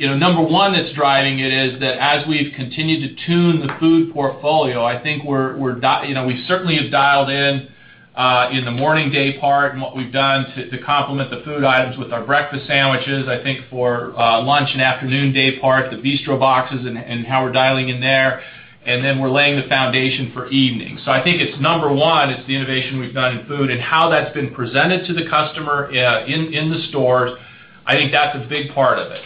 Speaker 4: number 1 that's driving it is that as we've continued to tune the food portfolio, I think we certainly have dialed in the morning day part and what we've done to complement the food items with our breakfast sandwiches. I think for lunch and afternoon day part, the Bistro Boxes, and how we're dialing in there. Then we're laying the foundation for evening. I think it's number 1, it's the innovation we've done in food and how that's been presented to the customer in the stores. I think that's a big part of it.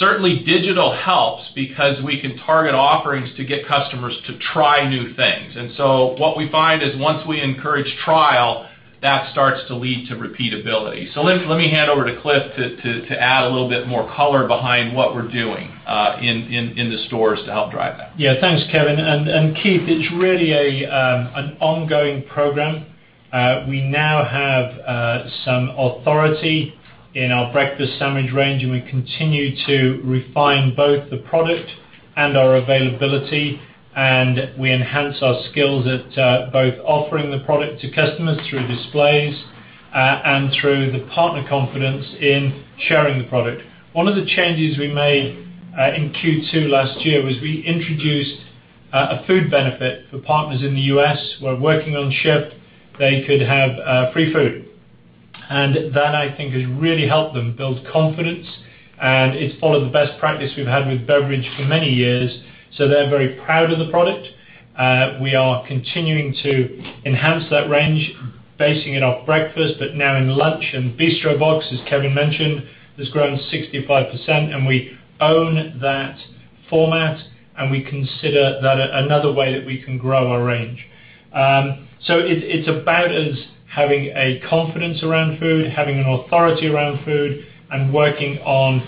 Speaker 4: Certainly, digital helps because we can target offerings to get customers to try new things. What we find is once we encourage trial, that starts to lead to repeatability. Let me hand over to Cliff to add a little bit more color behind what we're doing in the stores to help drive that.
Speaker 8: Yeah, thanks, Kevin. Keith, it's really an ongoing program. We now have some authority in our breakfast sandwich range, and we continue to refine both the product and our availability, and we enhance our skills at both offering the product to customers through displays, and through the partner confidence in sharing the product. One of the changes we made in Q2 last year was we introduced a food benefit for partners in the U.S. who are working on shift. They could have free food. That, I think, has really helped them build confidence, and it's followed the best practice we've had with beverage for many years. They're very proud of the product. We are continuing to enhance that range, basing it off breakfast, but now in lunch and bistro box, as Kevin mentioned, has grown 65%, and we own that format, and we consider that another way that we can grow our range. It's about us having a confidence around food, having an authority around food, and working on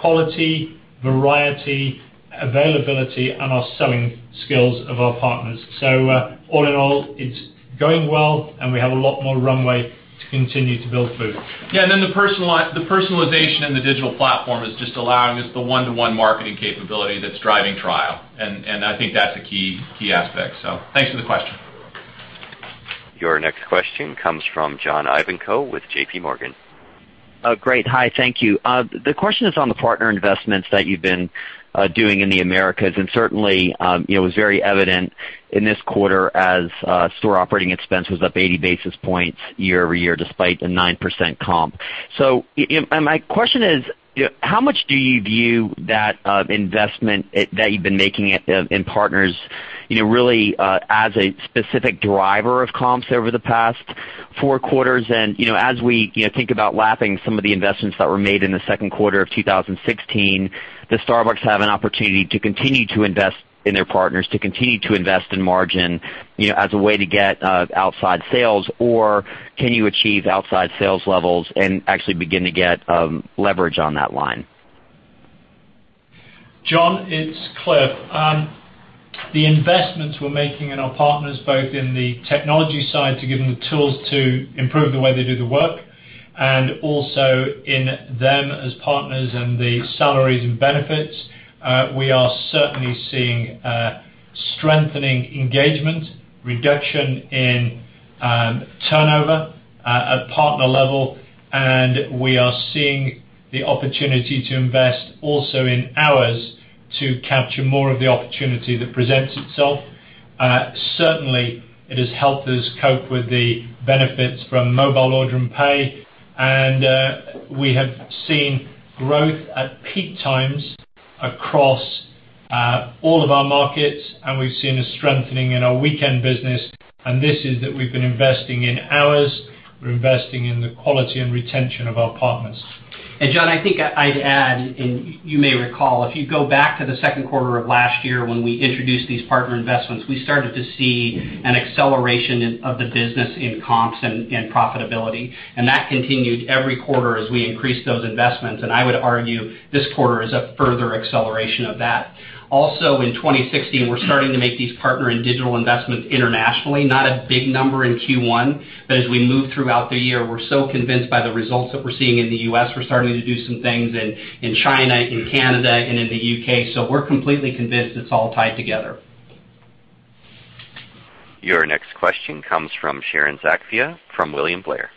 Speaker 8: quality, variety, availability, and our selling skills of our partners. All in all, it's going well, and we have a lot more runway to continue to build food.
Speaker 4: The personalization in the digital platform is just allowing us the one-to-one marketing capability that's driving trial. I think that's a key aspect. Thanks for the question.
Speaker 1: Your next question comes from John Ivankoe with JPMorgan.
Speaker 9: Great. Hi, thank you. The question is on the partner investments that you've been doing in the Americas, certainly, it was very evident in this quarter as store operating expense was up 80 basis points year-over-year, despite a 9% comp. My question is, how much do you view that investment that you've been making in partners, really as a specific driver of comps over the past four quarters? As we think about lapping some of the investments that were made in the second quarter of 2016, does Starbucks have an opportunity to continue to invest in their partners, to continue to invest in margin as a way to get outside sales, or can you achieve outside sales levels and actually begin to get leverage on that line?
Speaker 8: John, it's Cliff. The investments we're making in our partners, both in the technology side to give them the tools to improve the way they do the work, and also in them as partners and the salaries and benefits. We are certainly seeing a strengthening engagement, reduction in turnover at partner level, and we are seeing the opportunity to invest also in hours to capture more of the opportunity that presents itself. Certainly, it has helped us cope with the benefits from mobile order and pay, and we have seen growth at peak times across all of our markets, and we've seen a strengthening in our weekend business, and this is that we've been investing in hours, we're investing in the quality and retention of our partners.
Speaker 4: John, I think I'd add, you may recall, if you go back to the second quarter of last year when we introduced these partner investments, we started to see an acceleration of the business in comps and profitability, that continued every quarter as we increased those investments. I would argue this quarter is a further acceleration of that. Also in 2016, we're starting to make these partner in digital investments internationally, not a big number in Q1, but as we move throughout the year, we're so convinced by the results that we're seeing in the U.S. We're starting to do some things in China, in Canada, and in the U.K. We're completely convinced it's all tied together.
Speaker 1: Your next question comes from Sharon Zackfia from William Blair.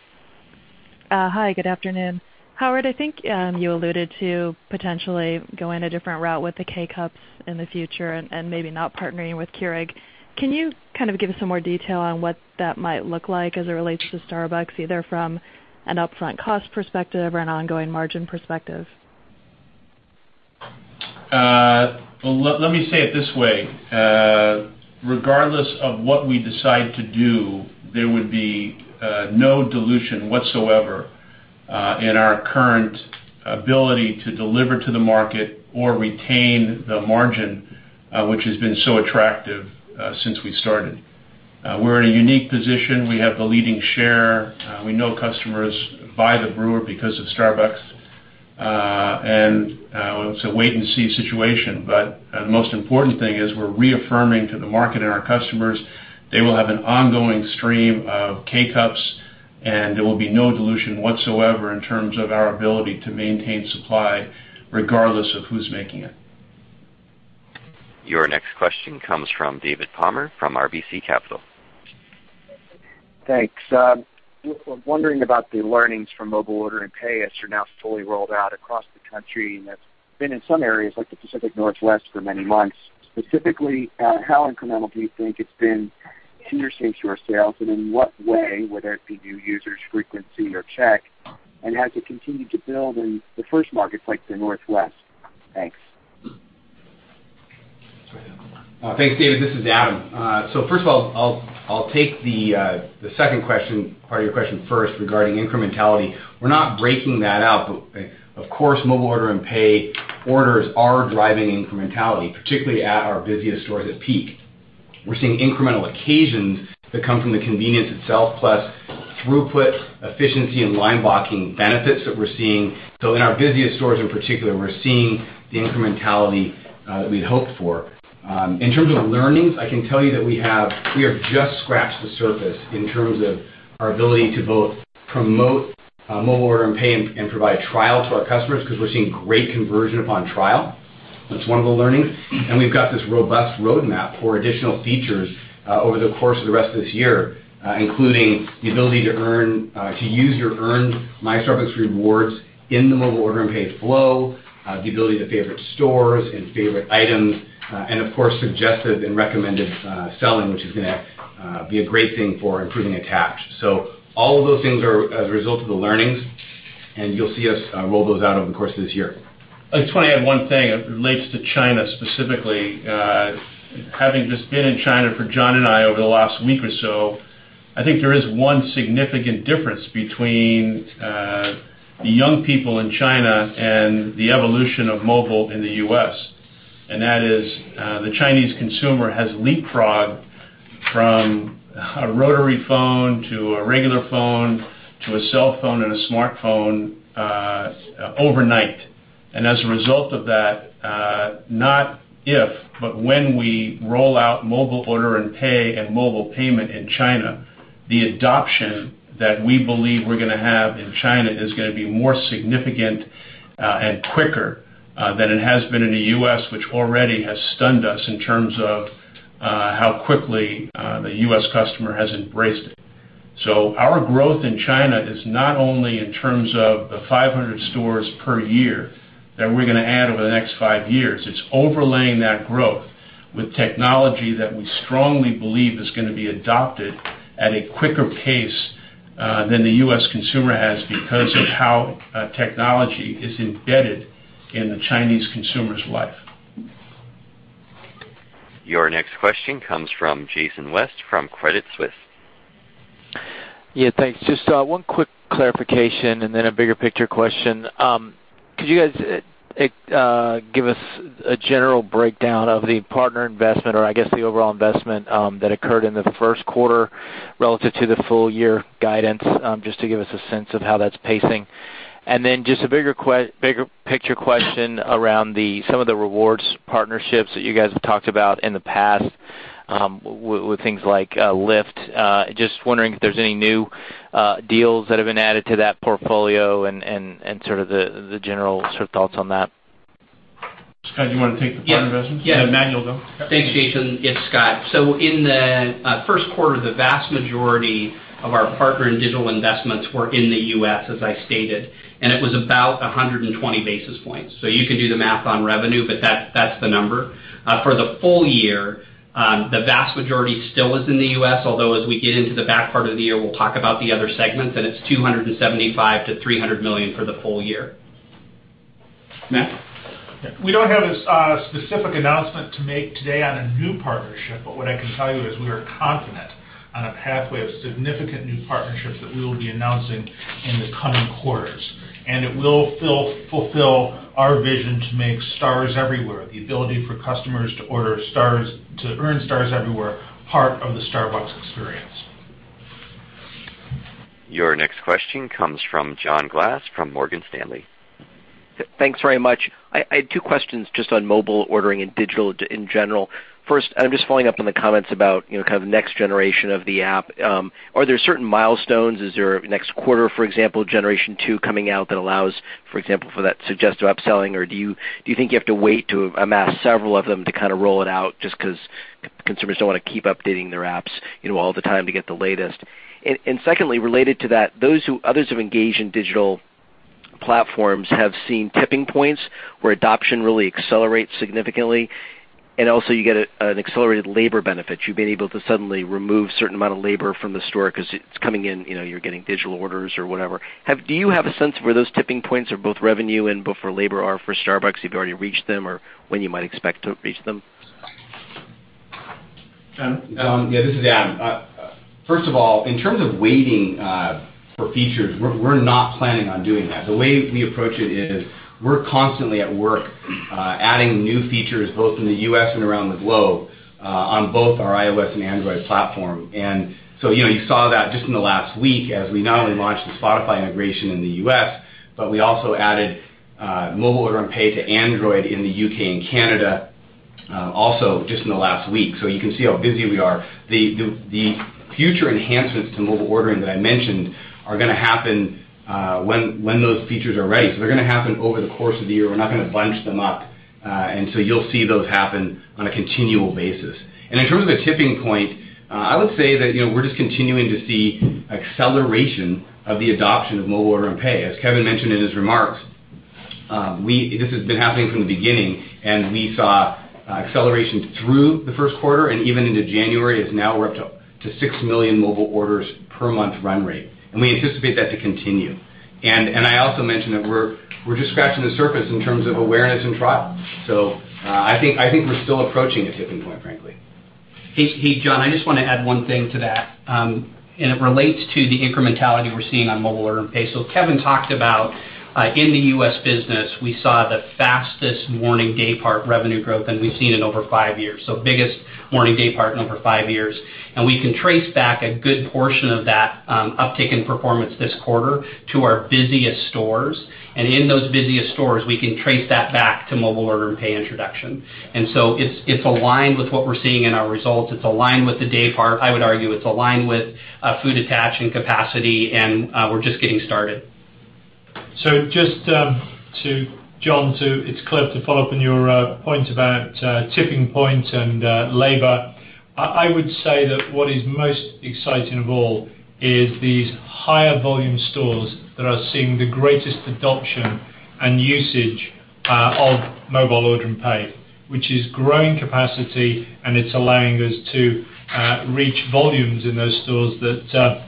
Speaker 10: Hi, good afternoon. Howard, I think you alluded to potentially going a different route with the K-Cups in the future and maybe not partnering with Keurig. Can you give some more detail on what that might look like as it relates to Starbucks, either from an upfront cost perspective or an ongoing margin perspective?
Speaker 3: Let me say it this way. Regardless of what we decide to do, there would be no dilution whatsoever in our current ability to deliver to the market or retain the margin, which has been so attractive since we started. We're in a unique position. We have the leading share. We know customers buy the brewer because of Starbucks. It's a wait-and-see situation. The most important thing is we're reaffirming to the market and our customers they will have an ongoing stream of K-Cups. There will be no dilution whatsoever in terms of our ability to maintain supply, regardless of who's making it.
Speaker 1: Your next question comes from David Palmer from RBC Capital.
Speaker 11: Thanks. We're wondering about the learnings from Mobile Order and Pay as you're now fully rolled out across the country, and that's been in some areas like the Pacific Northwest for many months. Specifically, how incremental do you think it's been to your same-store sales, and in what way, whether it be new users, frequency or check? Has it continued to build in the first markets like the Northwest? Thanks.
Speaker 12: Thanks, David. This is Adam. First of all, I'll take the second part of your question first regarding incrementality. We're not breaking that out. Of course, Mobile Order and Pay orders are driving incrementality, particularly at our busiest stores at peak. We're seeing incremental occasions that come from the convenience itself, plus throughput, efficiency, and line blocking benefits that we're seeing. In our busiest stores in particular, we're seeing the incrementality that we'd hoped for. In terms of learnings, I can tell you that we have just scratched the surface in terms of our ability to both promote Mobile Order and Pay and provide trial to our customers because we're seeing great conversion upon trial. That's one of the learnings. We've got this robust roadmap for additional features over the course of the rest of this year, including the ability to use your earned My Starbucks Rewards in the Mobile Order and Pay flow, the ability to favorite stores and favorite items, of course, suggestive and recommended selling, which is going to be a great thing for improving attach. All of those things are as a result of the learnings, you'll see us roll those out over the course of this year.
Speaker 3: I just want to add one thing. It relates to China specifically. Having just been in China for John and I over the last week or so, I think there is one significant difference between the young people in China and the evolution of mobile in the U.S. That is, the Chinese consumer has leapfrogged from a rotary phone to a regular phone to a cell phone and a smartphone overnight. As a result of that, not if, but when we roll out Mobile Order and Pay and mobile payment in China, the adoption that we believe we're going to have in China is going to be more significant and quicker than it has been in the U.S., which already has stunned us in terms of how quickly the U.S. customer has embraced it. Our growth in China is not only in terms of the 500 stores per year that we're going to add over the next five years. It's overlaying that growth with technology that we strongly believe is going to be adopted at a quicker pace than the U.S. consumer has because of how technology is embedded in the Chinese consumer's life.
Speaker 1: Your next question comes from Jason West from Credit Suisse.
Speaker 13: Thanks. Just one quick clarification and then a bigger picture question. Could you guys give us a general breakdown of the partner investment or I guess the overall investment that occurred in the first quarter relative to the full-year guidance, just to give us a sense of how that's pacing? Then just a bigger picture question around some of the rewards partnerships that you guys have talked about in the past with things like Lyft. Just wondering if there's any new deals that have been added to that portfolio and the general thoughts on that.
Speaker 3: Scott, do you want to take the partner investments?
Speaker 6: Yeah.
Speaker 3: Then Matt, you'll go.
Speaker 14: Thanks, Jason. It's Scott. In the first quarter, the vast majority of our partner and digital investments were in the U.S., as I stated, and it was about 120 basis points. You can do the math on revenue, but that's the number. For the full year, the vast majority still was in the U.S., although as we get into the back part of the year, we'll talk about the other segments, and it's $275 million-$300 million for the full year.
Speaker 3: Matt?
Speaker 12: We don't have a specific announcement to make today on a new partnership, what I can tell you is we are confident on a pathway of significant new partnerships that we will be announcing in the coming quarters. It will fulfill our vision to make Stars everywhere, the ability for customers to earn Stars everywhere, part of the Starbucks experience.
Speaker 1: Your next question comes from John Glass from Morgan Stanley.
Speaker 15: Thanks very much. I had two questions just on mobile ordering and digital in general. First, I'm just following up on the comments about next generation of the app. Are there certain milestones? Is there next quarter, for example, generation 2 coming out that allows, for example, for that suggestive upselling, or do you think you have to wait to amass several of them to roll it out just because consumers don't want to keep updating their apps all the time to get the latest? Secondly, related to that, others who have engaged in digital platforms have seen tipping points where adoption really accelerates significantly, and also you get an accelerated labor benefit. You've been able to suddenly remove a certain amount of labor from the store because it's coming in, you're getting digital orders or whatever. Do you have a sense of where those tipping points are, both revenue and both for labor are for Starbucks? Have you already reached them, or when you might expect to reach them?
Speaker 12: John? This is Adam. First of all, in terms of waiting for features, we're not planning on doing that. The way we approach it is we're constantly at work adding new features both in the U.S. and around the globe on both our iOS and Android platform. You saw that just in the last week as we not only launched the Spotify integration in the U.S., but we also added Mobile Order and Pay to Android in the U.K. and Canada.
Speaker 16: Also just in the last week. You can see how busy we are. The future enhancements to mobile ordering that I mentioned are going to happen when those features are ready. They're going to happen over the course of the year. We're not going to bunch them up. You'll see those happen on a continual basis. In terms of the tipping point, I would say that we're just continuing to see acceleration of the adoption of mobile order and pay. As Kevin mentioned in his remarks, this has been happening from the beginning, and we saw acceleration through the first quarter and even into January is now we're up to 6 million mobile orders per month run rate, and we anticipate that to continue. I also mentioned that we're just scratching the surface in terms of awareness and trial. I think we're still approaching a tipping point, frankly.
Speaker 6: Hey, John, I just want to add one thing to that. It relates to the incrementality we're seeing on mobile order and pay. Kevin talked about, in the U.S. business, we saw the fastest morning daypart revenue growth than we've seen in over five years. Biggest morning daypart in over five years. We can trace back a good portion of that uptick in performance this quarter to our busiest stores. In those busiest stores, we can trace that back to mobile order and pay introduction. It's aligned with what we're seeing in our results. It's aligned with the daypart, I would argue it's aligned with food attach and capacity, and we're just getting started.
Speaker 8: Just to John, it's Cliff, to follow up on your point about tipping point and labor. I would say that what is most exciting of all is these higher volume stores that are seeing the greatest adoption and usage of mobile order and pay, which is growing capacity, and it's allowing us to reach volumes in those stores that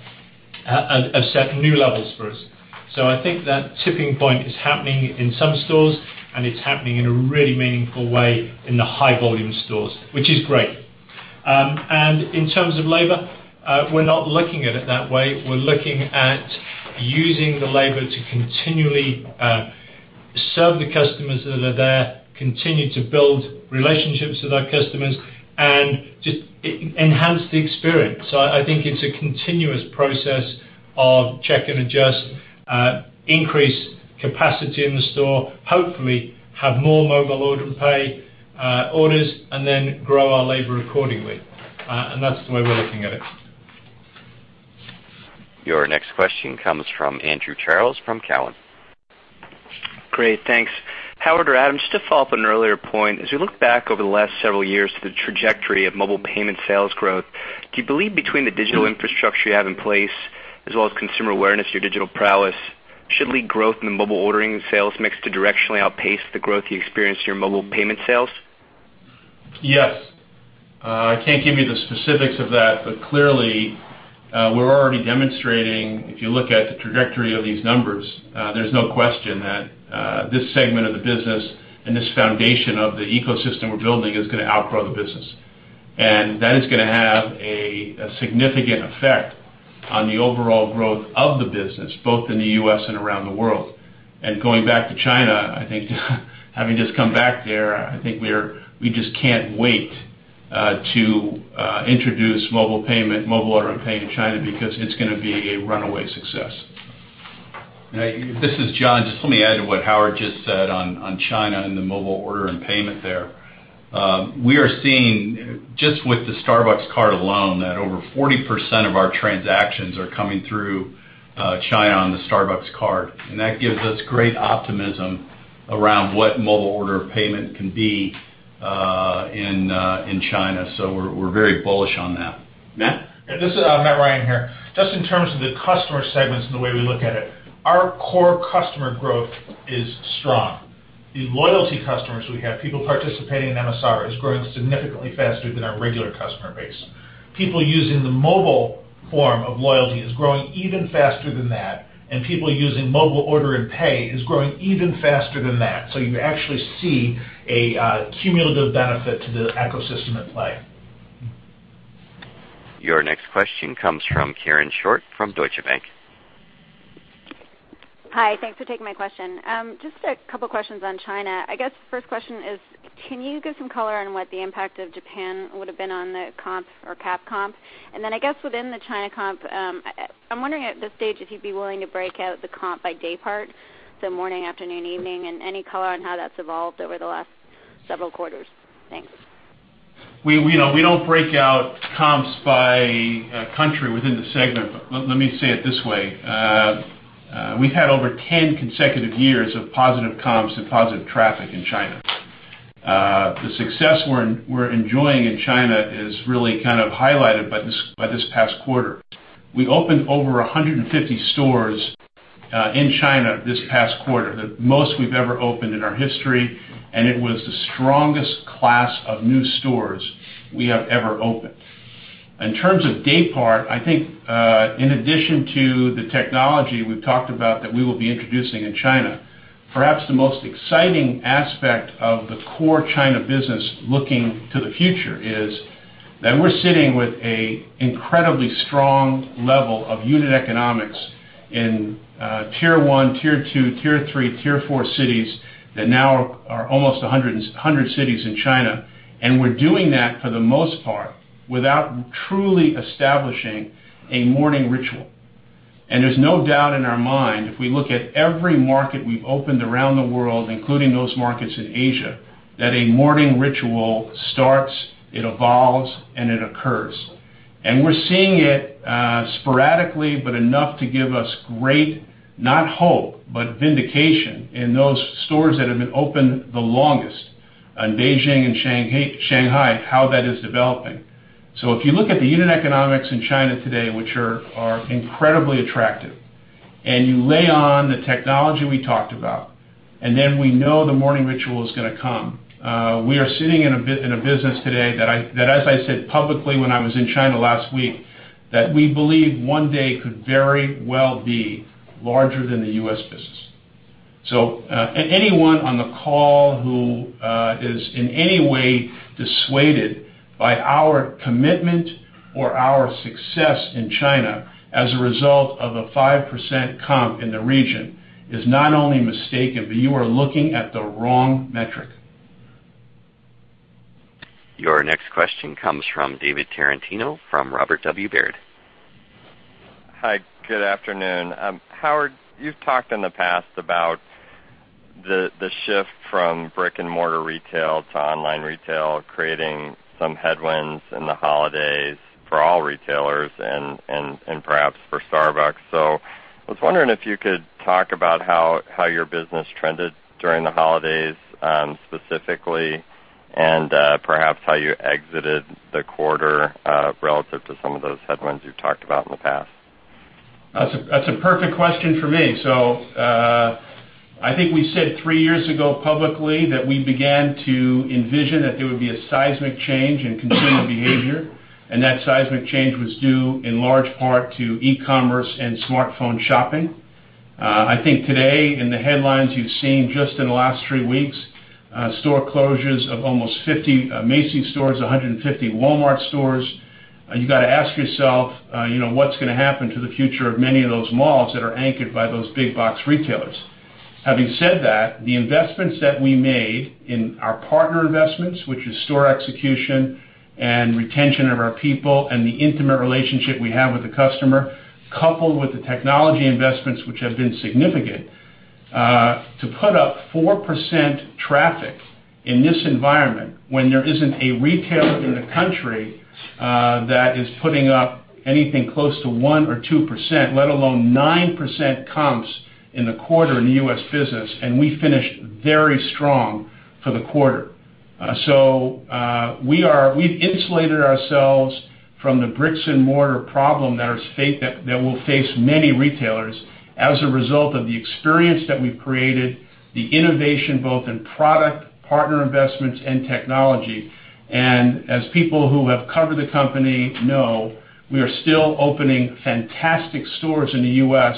Speaker 8: have set new levels for us. I think that tipping point is happening in some stores, and it's happening in a really meaningful way in the high-volume stores, which is great. In terms of labor, we're not looking at it that way. We're looking at using the labor to continually serve the customers that are there, continue to build relationships with our customers and just enhance the experience. I think it's a continuous process of check and adjust, increase capacity in the store, hopefully have more mobile order and pay orders, then grow our labor accordingly. That's the way we're looking at it.
Speaker 1: Your next question comes from Andrew Charles from Cowen.
Speaker 17: Great. Thanks. Howard or Adam, just to follow up on an earlier point, as you look back over the last several years to the trajectory of mobile payment sales growth, do you believe between the digital infrastructure you have in place, as well as consumer awareness, your digital prowess, should lead growth in the mobile ordering sales mix to directionally outpace the growth you experience your mobile payment sales?
Speaker 3: Yes. I can't give you the specifics of that, clearly, we're already demonstrating, if you look at the trajectory of these numbers, there's no question that this segment of the business and this foundation of the ecosystem we're building is going to outgrow the business. That is going to have a significant effect on the overall growth of the business, both in the U.S. and around the world. Going back to China, I think having just come back there, I think we just can't wait to introduce mobile payment, mobile order and pay in China because it's going to be a runaway success.
Speaker 16: This is John. Just let me add to what Howard just said on China and the mobile order and payment there. We are seeing, just with the Starbucks card alone, that over 40% of our transactions are coming through China on the Starbucks card. That gives us great optimism around what mobile order payment can be in China. We're very bullish on that. Matt?
Speaker 14: This is Matt Ryan here. Just in terms of the customer segments and the way we look at it, our core customer growth is strong. The loyalty customers we have, people participating in MSR, is growing significantly faster than our regular customer base. People using the mobile form of loyalty is growing even faster than that, and people using mobile order and pay is growing even faster than that. You actually see a cumulative benefit to the ecosystem at play.
Speaker 1: Your next question comes from Karen Short from Deutsche Bank.
Speaker 18: Hi. Thanks for taking my question. Just a couple questions on China. I guess the first question is, can you give some color on what the impact of Japan would've been on the comps or CAP comps? I guess within the China comp, I'm wondering at this stage if you'd be willing to break out the comp by daypart, so morning, afternoon, evening, and any color on how that's evolved over the last several quarters. Thanks.
Speaker 3: We don't break out comps by country within the segment. Let me say it this way. We've had over 10 consecutive years of positive comps and positive traffic in China. The success we're enjoying in China is really kind of highlighted by this past quarter. We opened over 150 stores in China this past quarter, the most we've ever opened in our history, and it was the strongest class of new stores we have ever opened. In terms of daypart, I think in addition to the technology we've talked about that we will be introducing in China, perhaps the most exciting aspect of the core China business looking to the future is that we're sitting with an incredibly strong level of unit economics in tier 1, tier 2, tier 3, tier 4 cities that now are almost 100 cities in China. We're doing that for the most part without truly establishing a morning ritual. There's no doubt in our mind, if we look at every market we've opened around the world, including those markets in Asia, that a morning ritual starts, it evolves, and it occurs. We're seeing it sporadically, but enough to give us great, not hope, but vindication in those stores that have been open the longest in Beijing and Shanghai, how that is developing. If you look at the unit economics in China today, which are incredibly attractive, and you lay on the technology we talked about, and then we know the morning ritual is going to come, we are sitting in a business today that as I said publicly when I was in China last week, that we believe one day could very well be larger than the U.S. business. Anyone on the call who is in any way dissuaded by our commitment or our success in China as a result of a 5% comp in the region is not only mistaken, but you are looking at the wrong metric.
Speaker 1: Your next question comes from David Tarantino from Robert W. Baird & Co.
Speaker 19: Hi, good afternoon. Howard, you've talked in the past about the shift from brick-and-mortar retail to online retail, creating some headwinds in the holidays for all retailers and perhaps for Starbucks. I was wondering if you could talk about how your business trended during the holidays, specifically, and perhaps how you exited the quarter, relative to some of those headwinds you've talked about in the past.
Speaker 3: That's a perfect question for me. I think we said three years ago publicly that we began to envision that there would be a seismic change in consumer behavior, and that seismic change was due in large part to e-commerce and smartphone shopping. I think today, in the headlines you've seen just in the last three weeks, store closures of almost 50 Macy's stores, 150 Walmart stores. You got to ask yourself, what's going to happen to the future of many of those malls that are anchored by those big box retailers. Having said that, the investments that we made in our partner investments, which is store execution and retention of our people, and the intimate relationship we have with the customer, coupled with the technology investments, which have been significant. To put up 4% traffic in this environment when there isn't a retailer in the country that is putting up anything close to 1% or 2%, let alone 9% comps in the quarter in the U.S. business, we finished very strong for the quarter. We've insulated ourselves from the brick-and-mortar problem that will face many retailers as a result of the experience that we've created, the innovation both in product, partner investments, and technology. As people who have covered the company know, we are still opening fantastic stores in the U.S.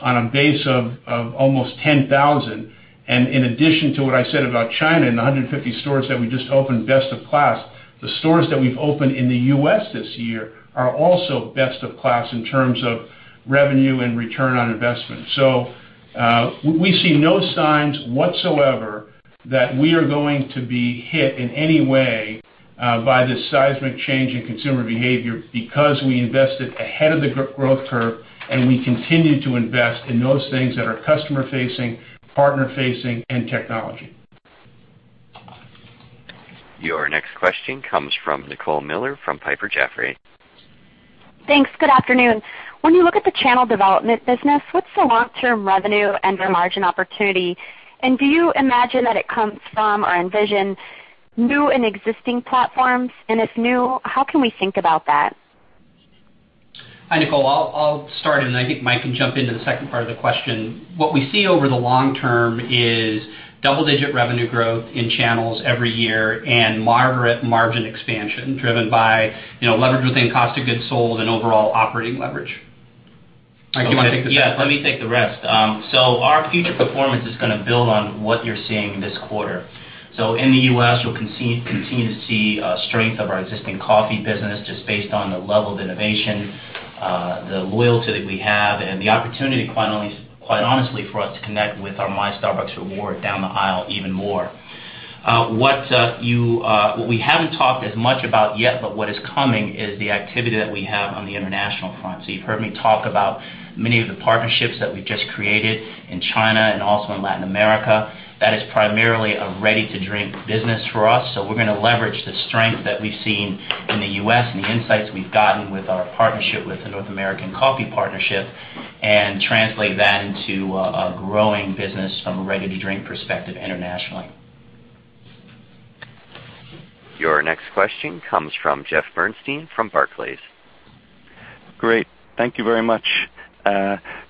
Speaker 3: on a base of almost 10,000. In addition to what I said about China and the 150 stores that we just opened, best of class, the stores that we've opened in the U.S. this year are also best of class in terms of revenue and return on investment. We see no signs whatsoever that we are going to be hit in any way by this seismic change in consumer behavior because we invested ahead of the growth curve, and we continue to invest in those things that are customer-facing, partner-facing, and technology.
Speaker 1: Your next question comes from Nicole Miller from Piper Jaffray.
Speaker 20: Thanks. Good afternoon. When you look at the Channel Development business, what's the long-term revenue and/or margin opportunity? Do you imagine that it comes from or envision new and existing platforms? If new, how can we think about that?
Speaker 6: Hi, Nicole. I'll start, and I think Mike can jump into the second part of the question. What we see over the long term is double-digit revenue growth in channels every year and moderate margin expansion driven by leverage within cost of goods sold and overall operating leverage. Mike, do you want to take the second part?
Speaker 5: Yes, let me take the rest. Our future performance is going to build on what you're seeing this quarter. In the U.S., you'll continue to see strength of our existing coffee business just based on the level of innovation, the loyalty that we have, and the opportunity, quite honestly, for us to connect with our My Starbucks Rewards down the aisle even more. What we haven't talked as much about yet, but what is coming, is the activity that we have on the international front. You've heard me talk about many of the partnerships that we've just created in China and also in Latin America. That is primarily a ready-to-drink business for us. We're going to leverage the strength that we've seen in the U.S. and the insights we've gotten with our partnership with the North American Coffee Partnership and translate that into a growing business from a ready-to-drink perspective internationally.
Speaker 1: Your next question comes from Jeffrey Bernstein from Barclays.
Speaker 21: Great. Thank you very much.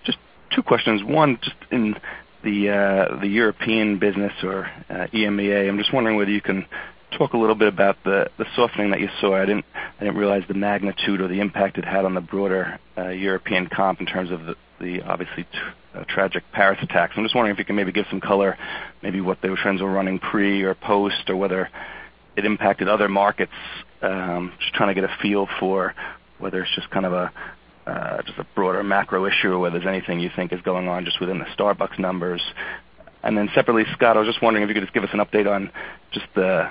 Speaker 21: Just two questions. One, just in the European business or EMEA, I'm just wondering whether you can talk a little bit about the softening that you saw. I didn't realize the magnitude or the impact it had on the broader European comp in terms of the obviously tragic Paris attacks. I'm just wondering if you can maybe give some color, maybe what the trends were running pre or post, or whether it impacted other markets. Just trying to get a feel for whether it's just a broader macro issue or whether there's anything you think is going on just within the Starbucks numbers. And then separately, Scott, I was just wondering if you could just give us an update on just the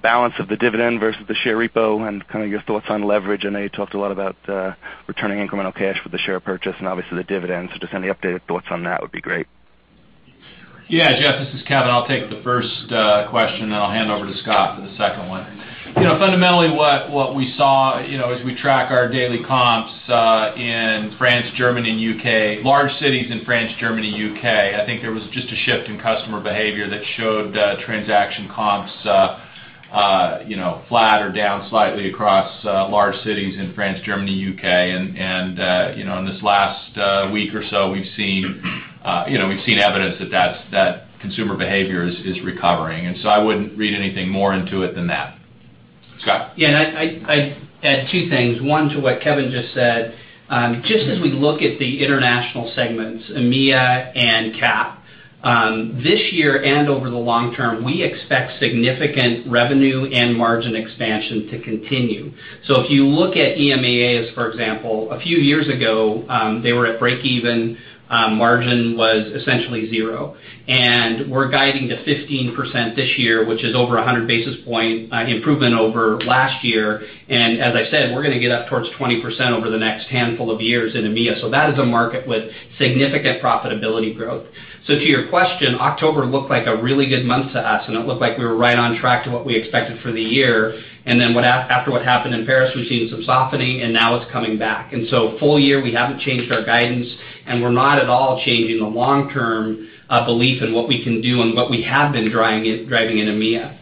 Speaker 21: balance of the dividend versus the share repo and kind of your thoughts on leverage.
Speaker 22: I know you talked a lot about returning incremental cash for the share purchase and obviously the dividend. Just any updated thoughts on that would be great.
Speaker 4: Yeah, Jeff, this is Kevin. I'll take the first question, then I'll hand over to Scott for the second one. Fundamentally, what we saw as we track our daily comps in large cities in France, Germany, and U.K., I think there was just a shift in customer behavior that showed transaction comps flat or down slightly across large cities in France, Germany, U.K. In this last week or so, we've seen evidence that consumer behavior is recovering. I wouldn't read anything more into it than that. Scott?
Speaker 6: Yeah. I'd add two things. One, to what Kevin just said, just as we look at the international segments, EMEA and CAP, this year and over the long term, we expect significant revenue and margin expansion to continue. If you look at EMEA, as for example, a few years ago, they were at breakeven, margin was essentially zero, we're guiding to 15% this year, which is over 100 basis point improvement over last year. As I said, we're going to get up towards 20% over the next handful of years in EMEA. That is a market with significant profitability growth. To your question, October looked like a really good month to us, it looked like we were right on track to what we expected for the year. After what happened in Paris, we've seen some softening, now it's coming back. Full year, we haven't changed our guidance, we're not at all changing the long-term belief in what we can do and what we have been driving in EMEA.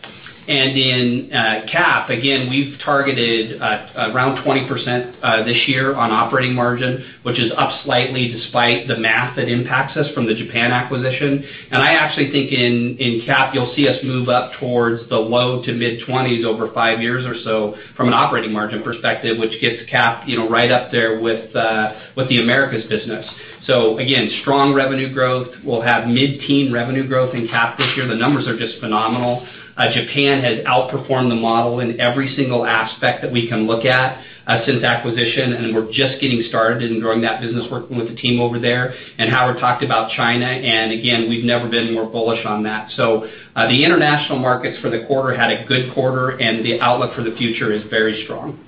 Speaker 6: In CAP, again, we've targeted around 20% this year on operating margin, which is up slightly despite the math that impacts us from the Japan acquisition. I actually think in CAP, you'll see us move up towards the low to mid-20s over five years or so from an operating margin perspective, which gets CAP right up there with the Americas business. Again, strong revenue growth. We'll have mid-teen revenue growth in CAP this year. The numbers are just phenomenal. Japan has outperformed the model in every single aspect that we can look at since acquisition, we're just getting started in growing that business, working with the team over there. Howard talked about China, again, we've never been more bullish on that. The international markets for the quarter had a good quarter, the outlook for the future is very strong.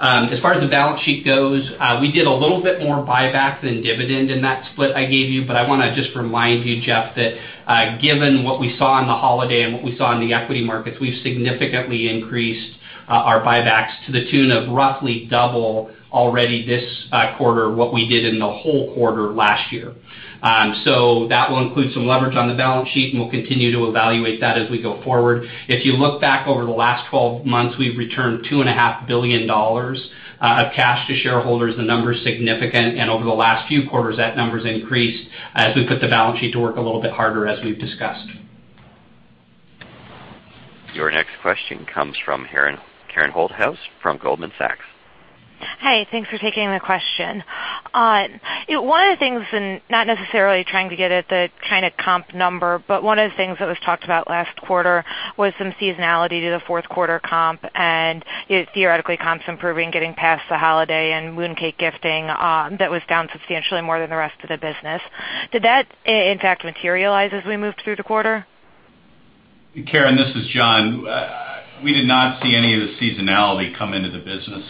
Speaker 6: As far as the balance sheet goes, we did a little bit more buyback than dividend in that split I gave you, I want to just remind you, Jeff, that given what we saw in the holiday and what we saw in the equity markets, we've significantly increased our buybacks to the tune of roughly double already this quarter, what we did in the whole quarter last year. That will include some leverage on the balance sheet, we'll continue to evaluate that as we go forward. If you look back over the last 12 months, we've returned $2.5 billion of cash to shareholders. The number's significant. Over the last few quarters, that number's increased as we put the balance sheet to work a little bit harder as we've discussed.
Speaker 1: Your next question comes from Karen Holthouse from Goldman Sachs.
Speaker 23: Hi. Thanks for taking the question. Not necessarily trying to get at the kind of comp number, one of the things that was talked about last quarter was some seasonality to the fourth quarter comp and theoretically comps improving, getting past the holiday and moon cake gifting that was down substantially more than the rest of the business. Did that in fact materialize as we moved through the quarter?
Speaker 16: Karen, this is John. We did not see any of the seasonality come into the business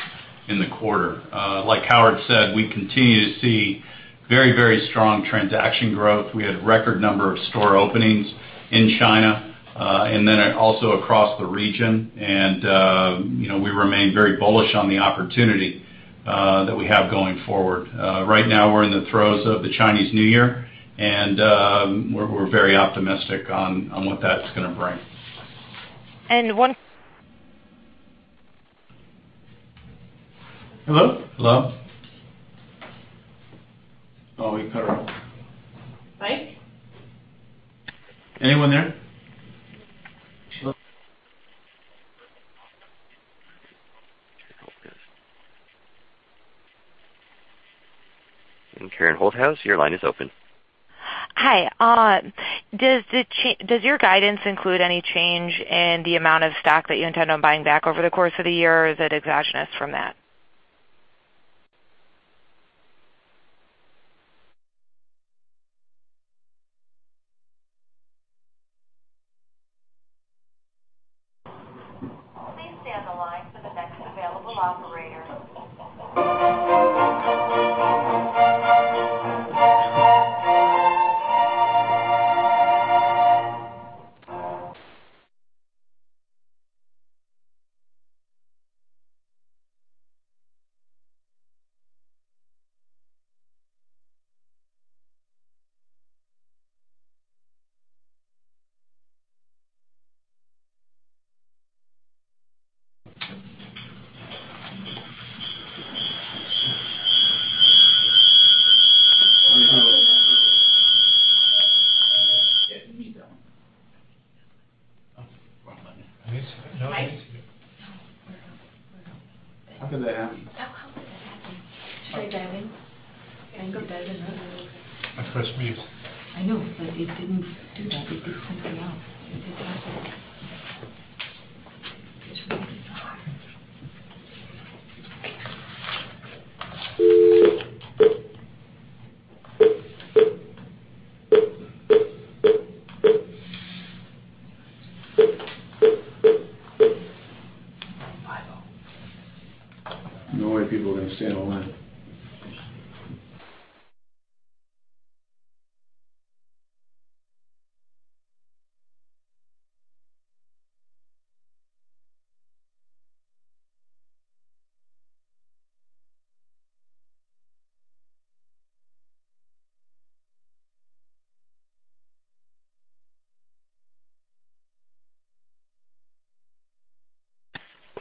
Speaker 16: in the quarter. Like Howard said, we continue to see very, very strong transaction growth. We had record number of store openings in China, and then also across the region. We remain very bullish on the opportunity that we have going forward. Right now, we're in the throes of the Chinese New Year, and we're very optimistic on what that's going to bring.
Speaker 23: One-
Speaker 22: Hello? Hello? Oh, we cut her off. Mike? Anyone there?
Speaker 1: Karen Holthouse. Karen Holthouse, your line is open.
Speaker 23: Hi. Does your guidance include any change in the amount of stock that you intend on buying back over the course of the year, or is it exogenous from that?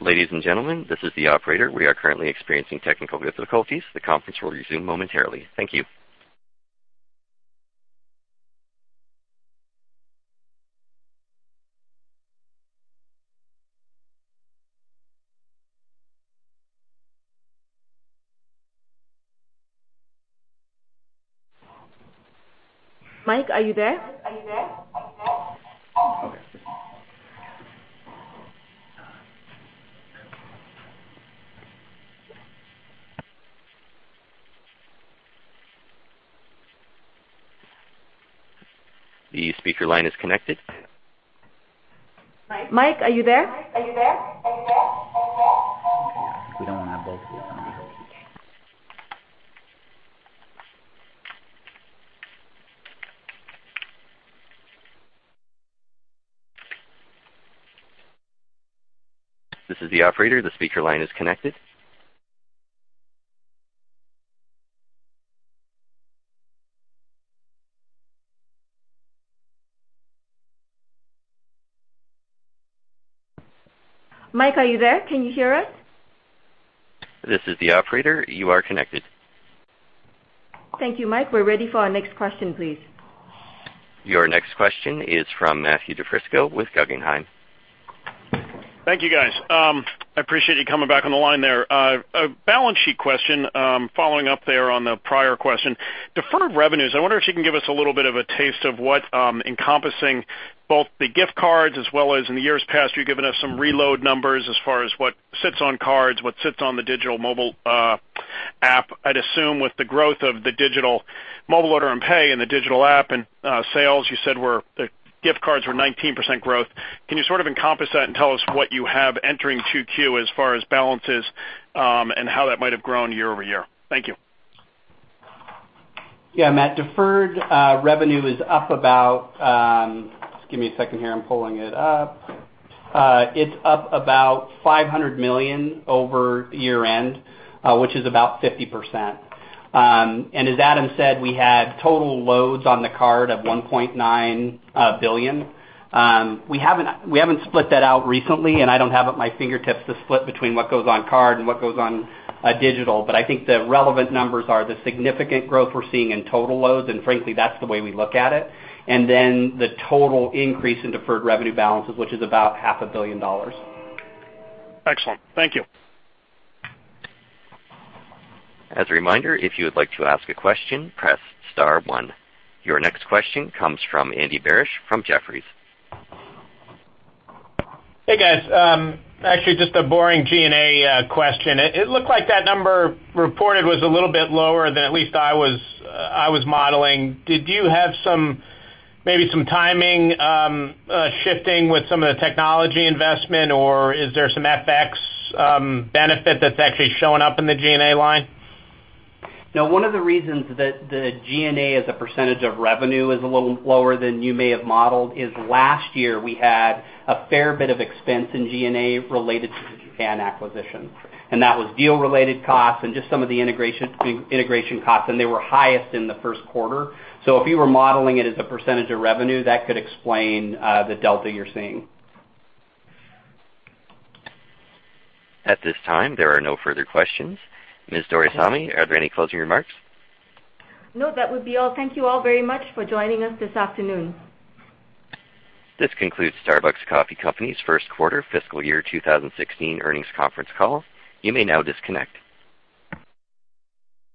Speaker 1: Please stay on the line for the next available operator.
Speaker 22: How could that happen? How could that happen? Should I dial in? I can go dial in. I pressed mute. I know, it didn't do that. It just simply off. It just happened. 50. No way people are going to stay on the line. Yeah.
Speaker 1: Ladies and gentlemen, this is the operator. We are currently experiencing technical difficulties. The conference will resume momentarily. Thank you.
Speaker 2: Mike, are you there?
Speaker 22: Okay.
Speaker 1: The speaker line is connected.
Speaker 2: Mike, are you there?
Speaker 22: We don't want to have both of these on, do we?
Speaker 2: Okay.
Speaker 1: This is the operator. The speaker line is connected.
Speaker 2: Mike, are you there? Can you hear us?
Speaker 1: This is the operator. You are connected.
Speaker 2: Thank you, Mike. We're ready for our next question, please.
Speaker 1: Your next question is from Matthew DiFrisco with Guggenheim.
Speaker 24: Thank you, guys. I appreciate you coming back on the line there. A balance sheet question, following up there on the prior question. Deferred revenues, I wonder if you can give us a little bit of a taste of what encompassing both the gift cards, as well as in the years past, you've given us some reload numbers as far as what sits on cards, what sits on the digital mobile app. I'd assume with the growth of the digital mobile order and pay and the digital app and sales, you said the gift cards were 19% growth. Can you encompass that and tell us what you have entering 2Q as far as balances, and how that might have grown year-over-year? Thank you.
Speaker 6: Yeah, Matt. Deferred revenue is up about. Give me a second here. I'm pulling it up. It's up about $500 million over year-end, which is about 50%. As Adam said, we had total loads on the card of $1.9 billion. We haven't split that out recently, and I don't have at my fingertips the split between what goes on card and what goes on digital. I think the relevant numbers are the significant growth we're seeing in total loads, and frankly, that's the way we look at it. Then the total increase in deferred revenue balances, which is about half a billion dollars.
Speaker 24: Excellent. Thank you.
Speaker 1: As a reminder, if you would like to ask a question, press star one. Your next question comes from Andy Barish from Jefferies.
Speaker 25: Hey, guys. Actually, just a boring G&A question. It looked like that number reported was a little bit lower than at least I was modeling. Did you have maybe some timing shifting with some of the technology investment, or is there some FX benefit that's actually showing up in the G&A line?
Speaker 6: No, one of the reasons that the G&A as a percentage of revenue is a little lower than you may have modeled is last year we had a fair bit of expense in G&A related to the Japan acquisition. That was deal-related costs and just some of the integration costs, and they were highest in the first quarter. If you were modeling it as a percentage of revenue, that could explain the delta you're seeing.
Speaker 1: At this time, there are no further questions. Ms. Doraisamy, are there any closing remarks?
Speaker 2: No, that would be all. Thank you all very much for joining us this afternoon.
Speaker 1: This concludes Starbucks Coffee Company's first quarter fiscal year 2016 earnings conference call. You may now disconnect.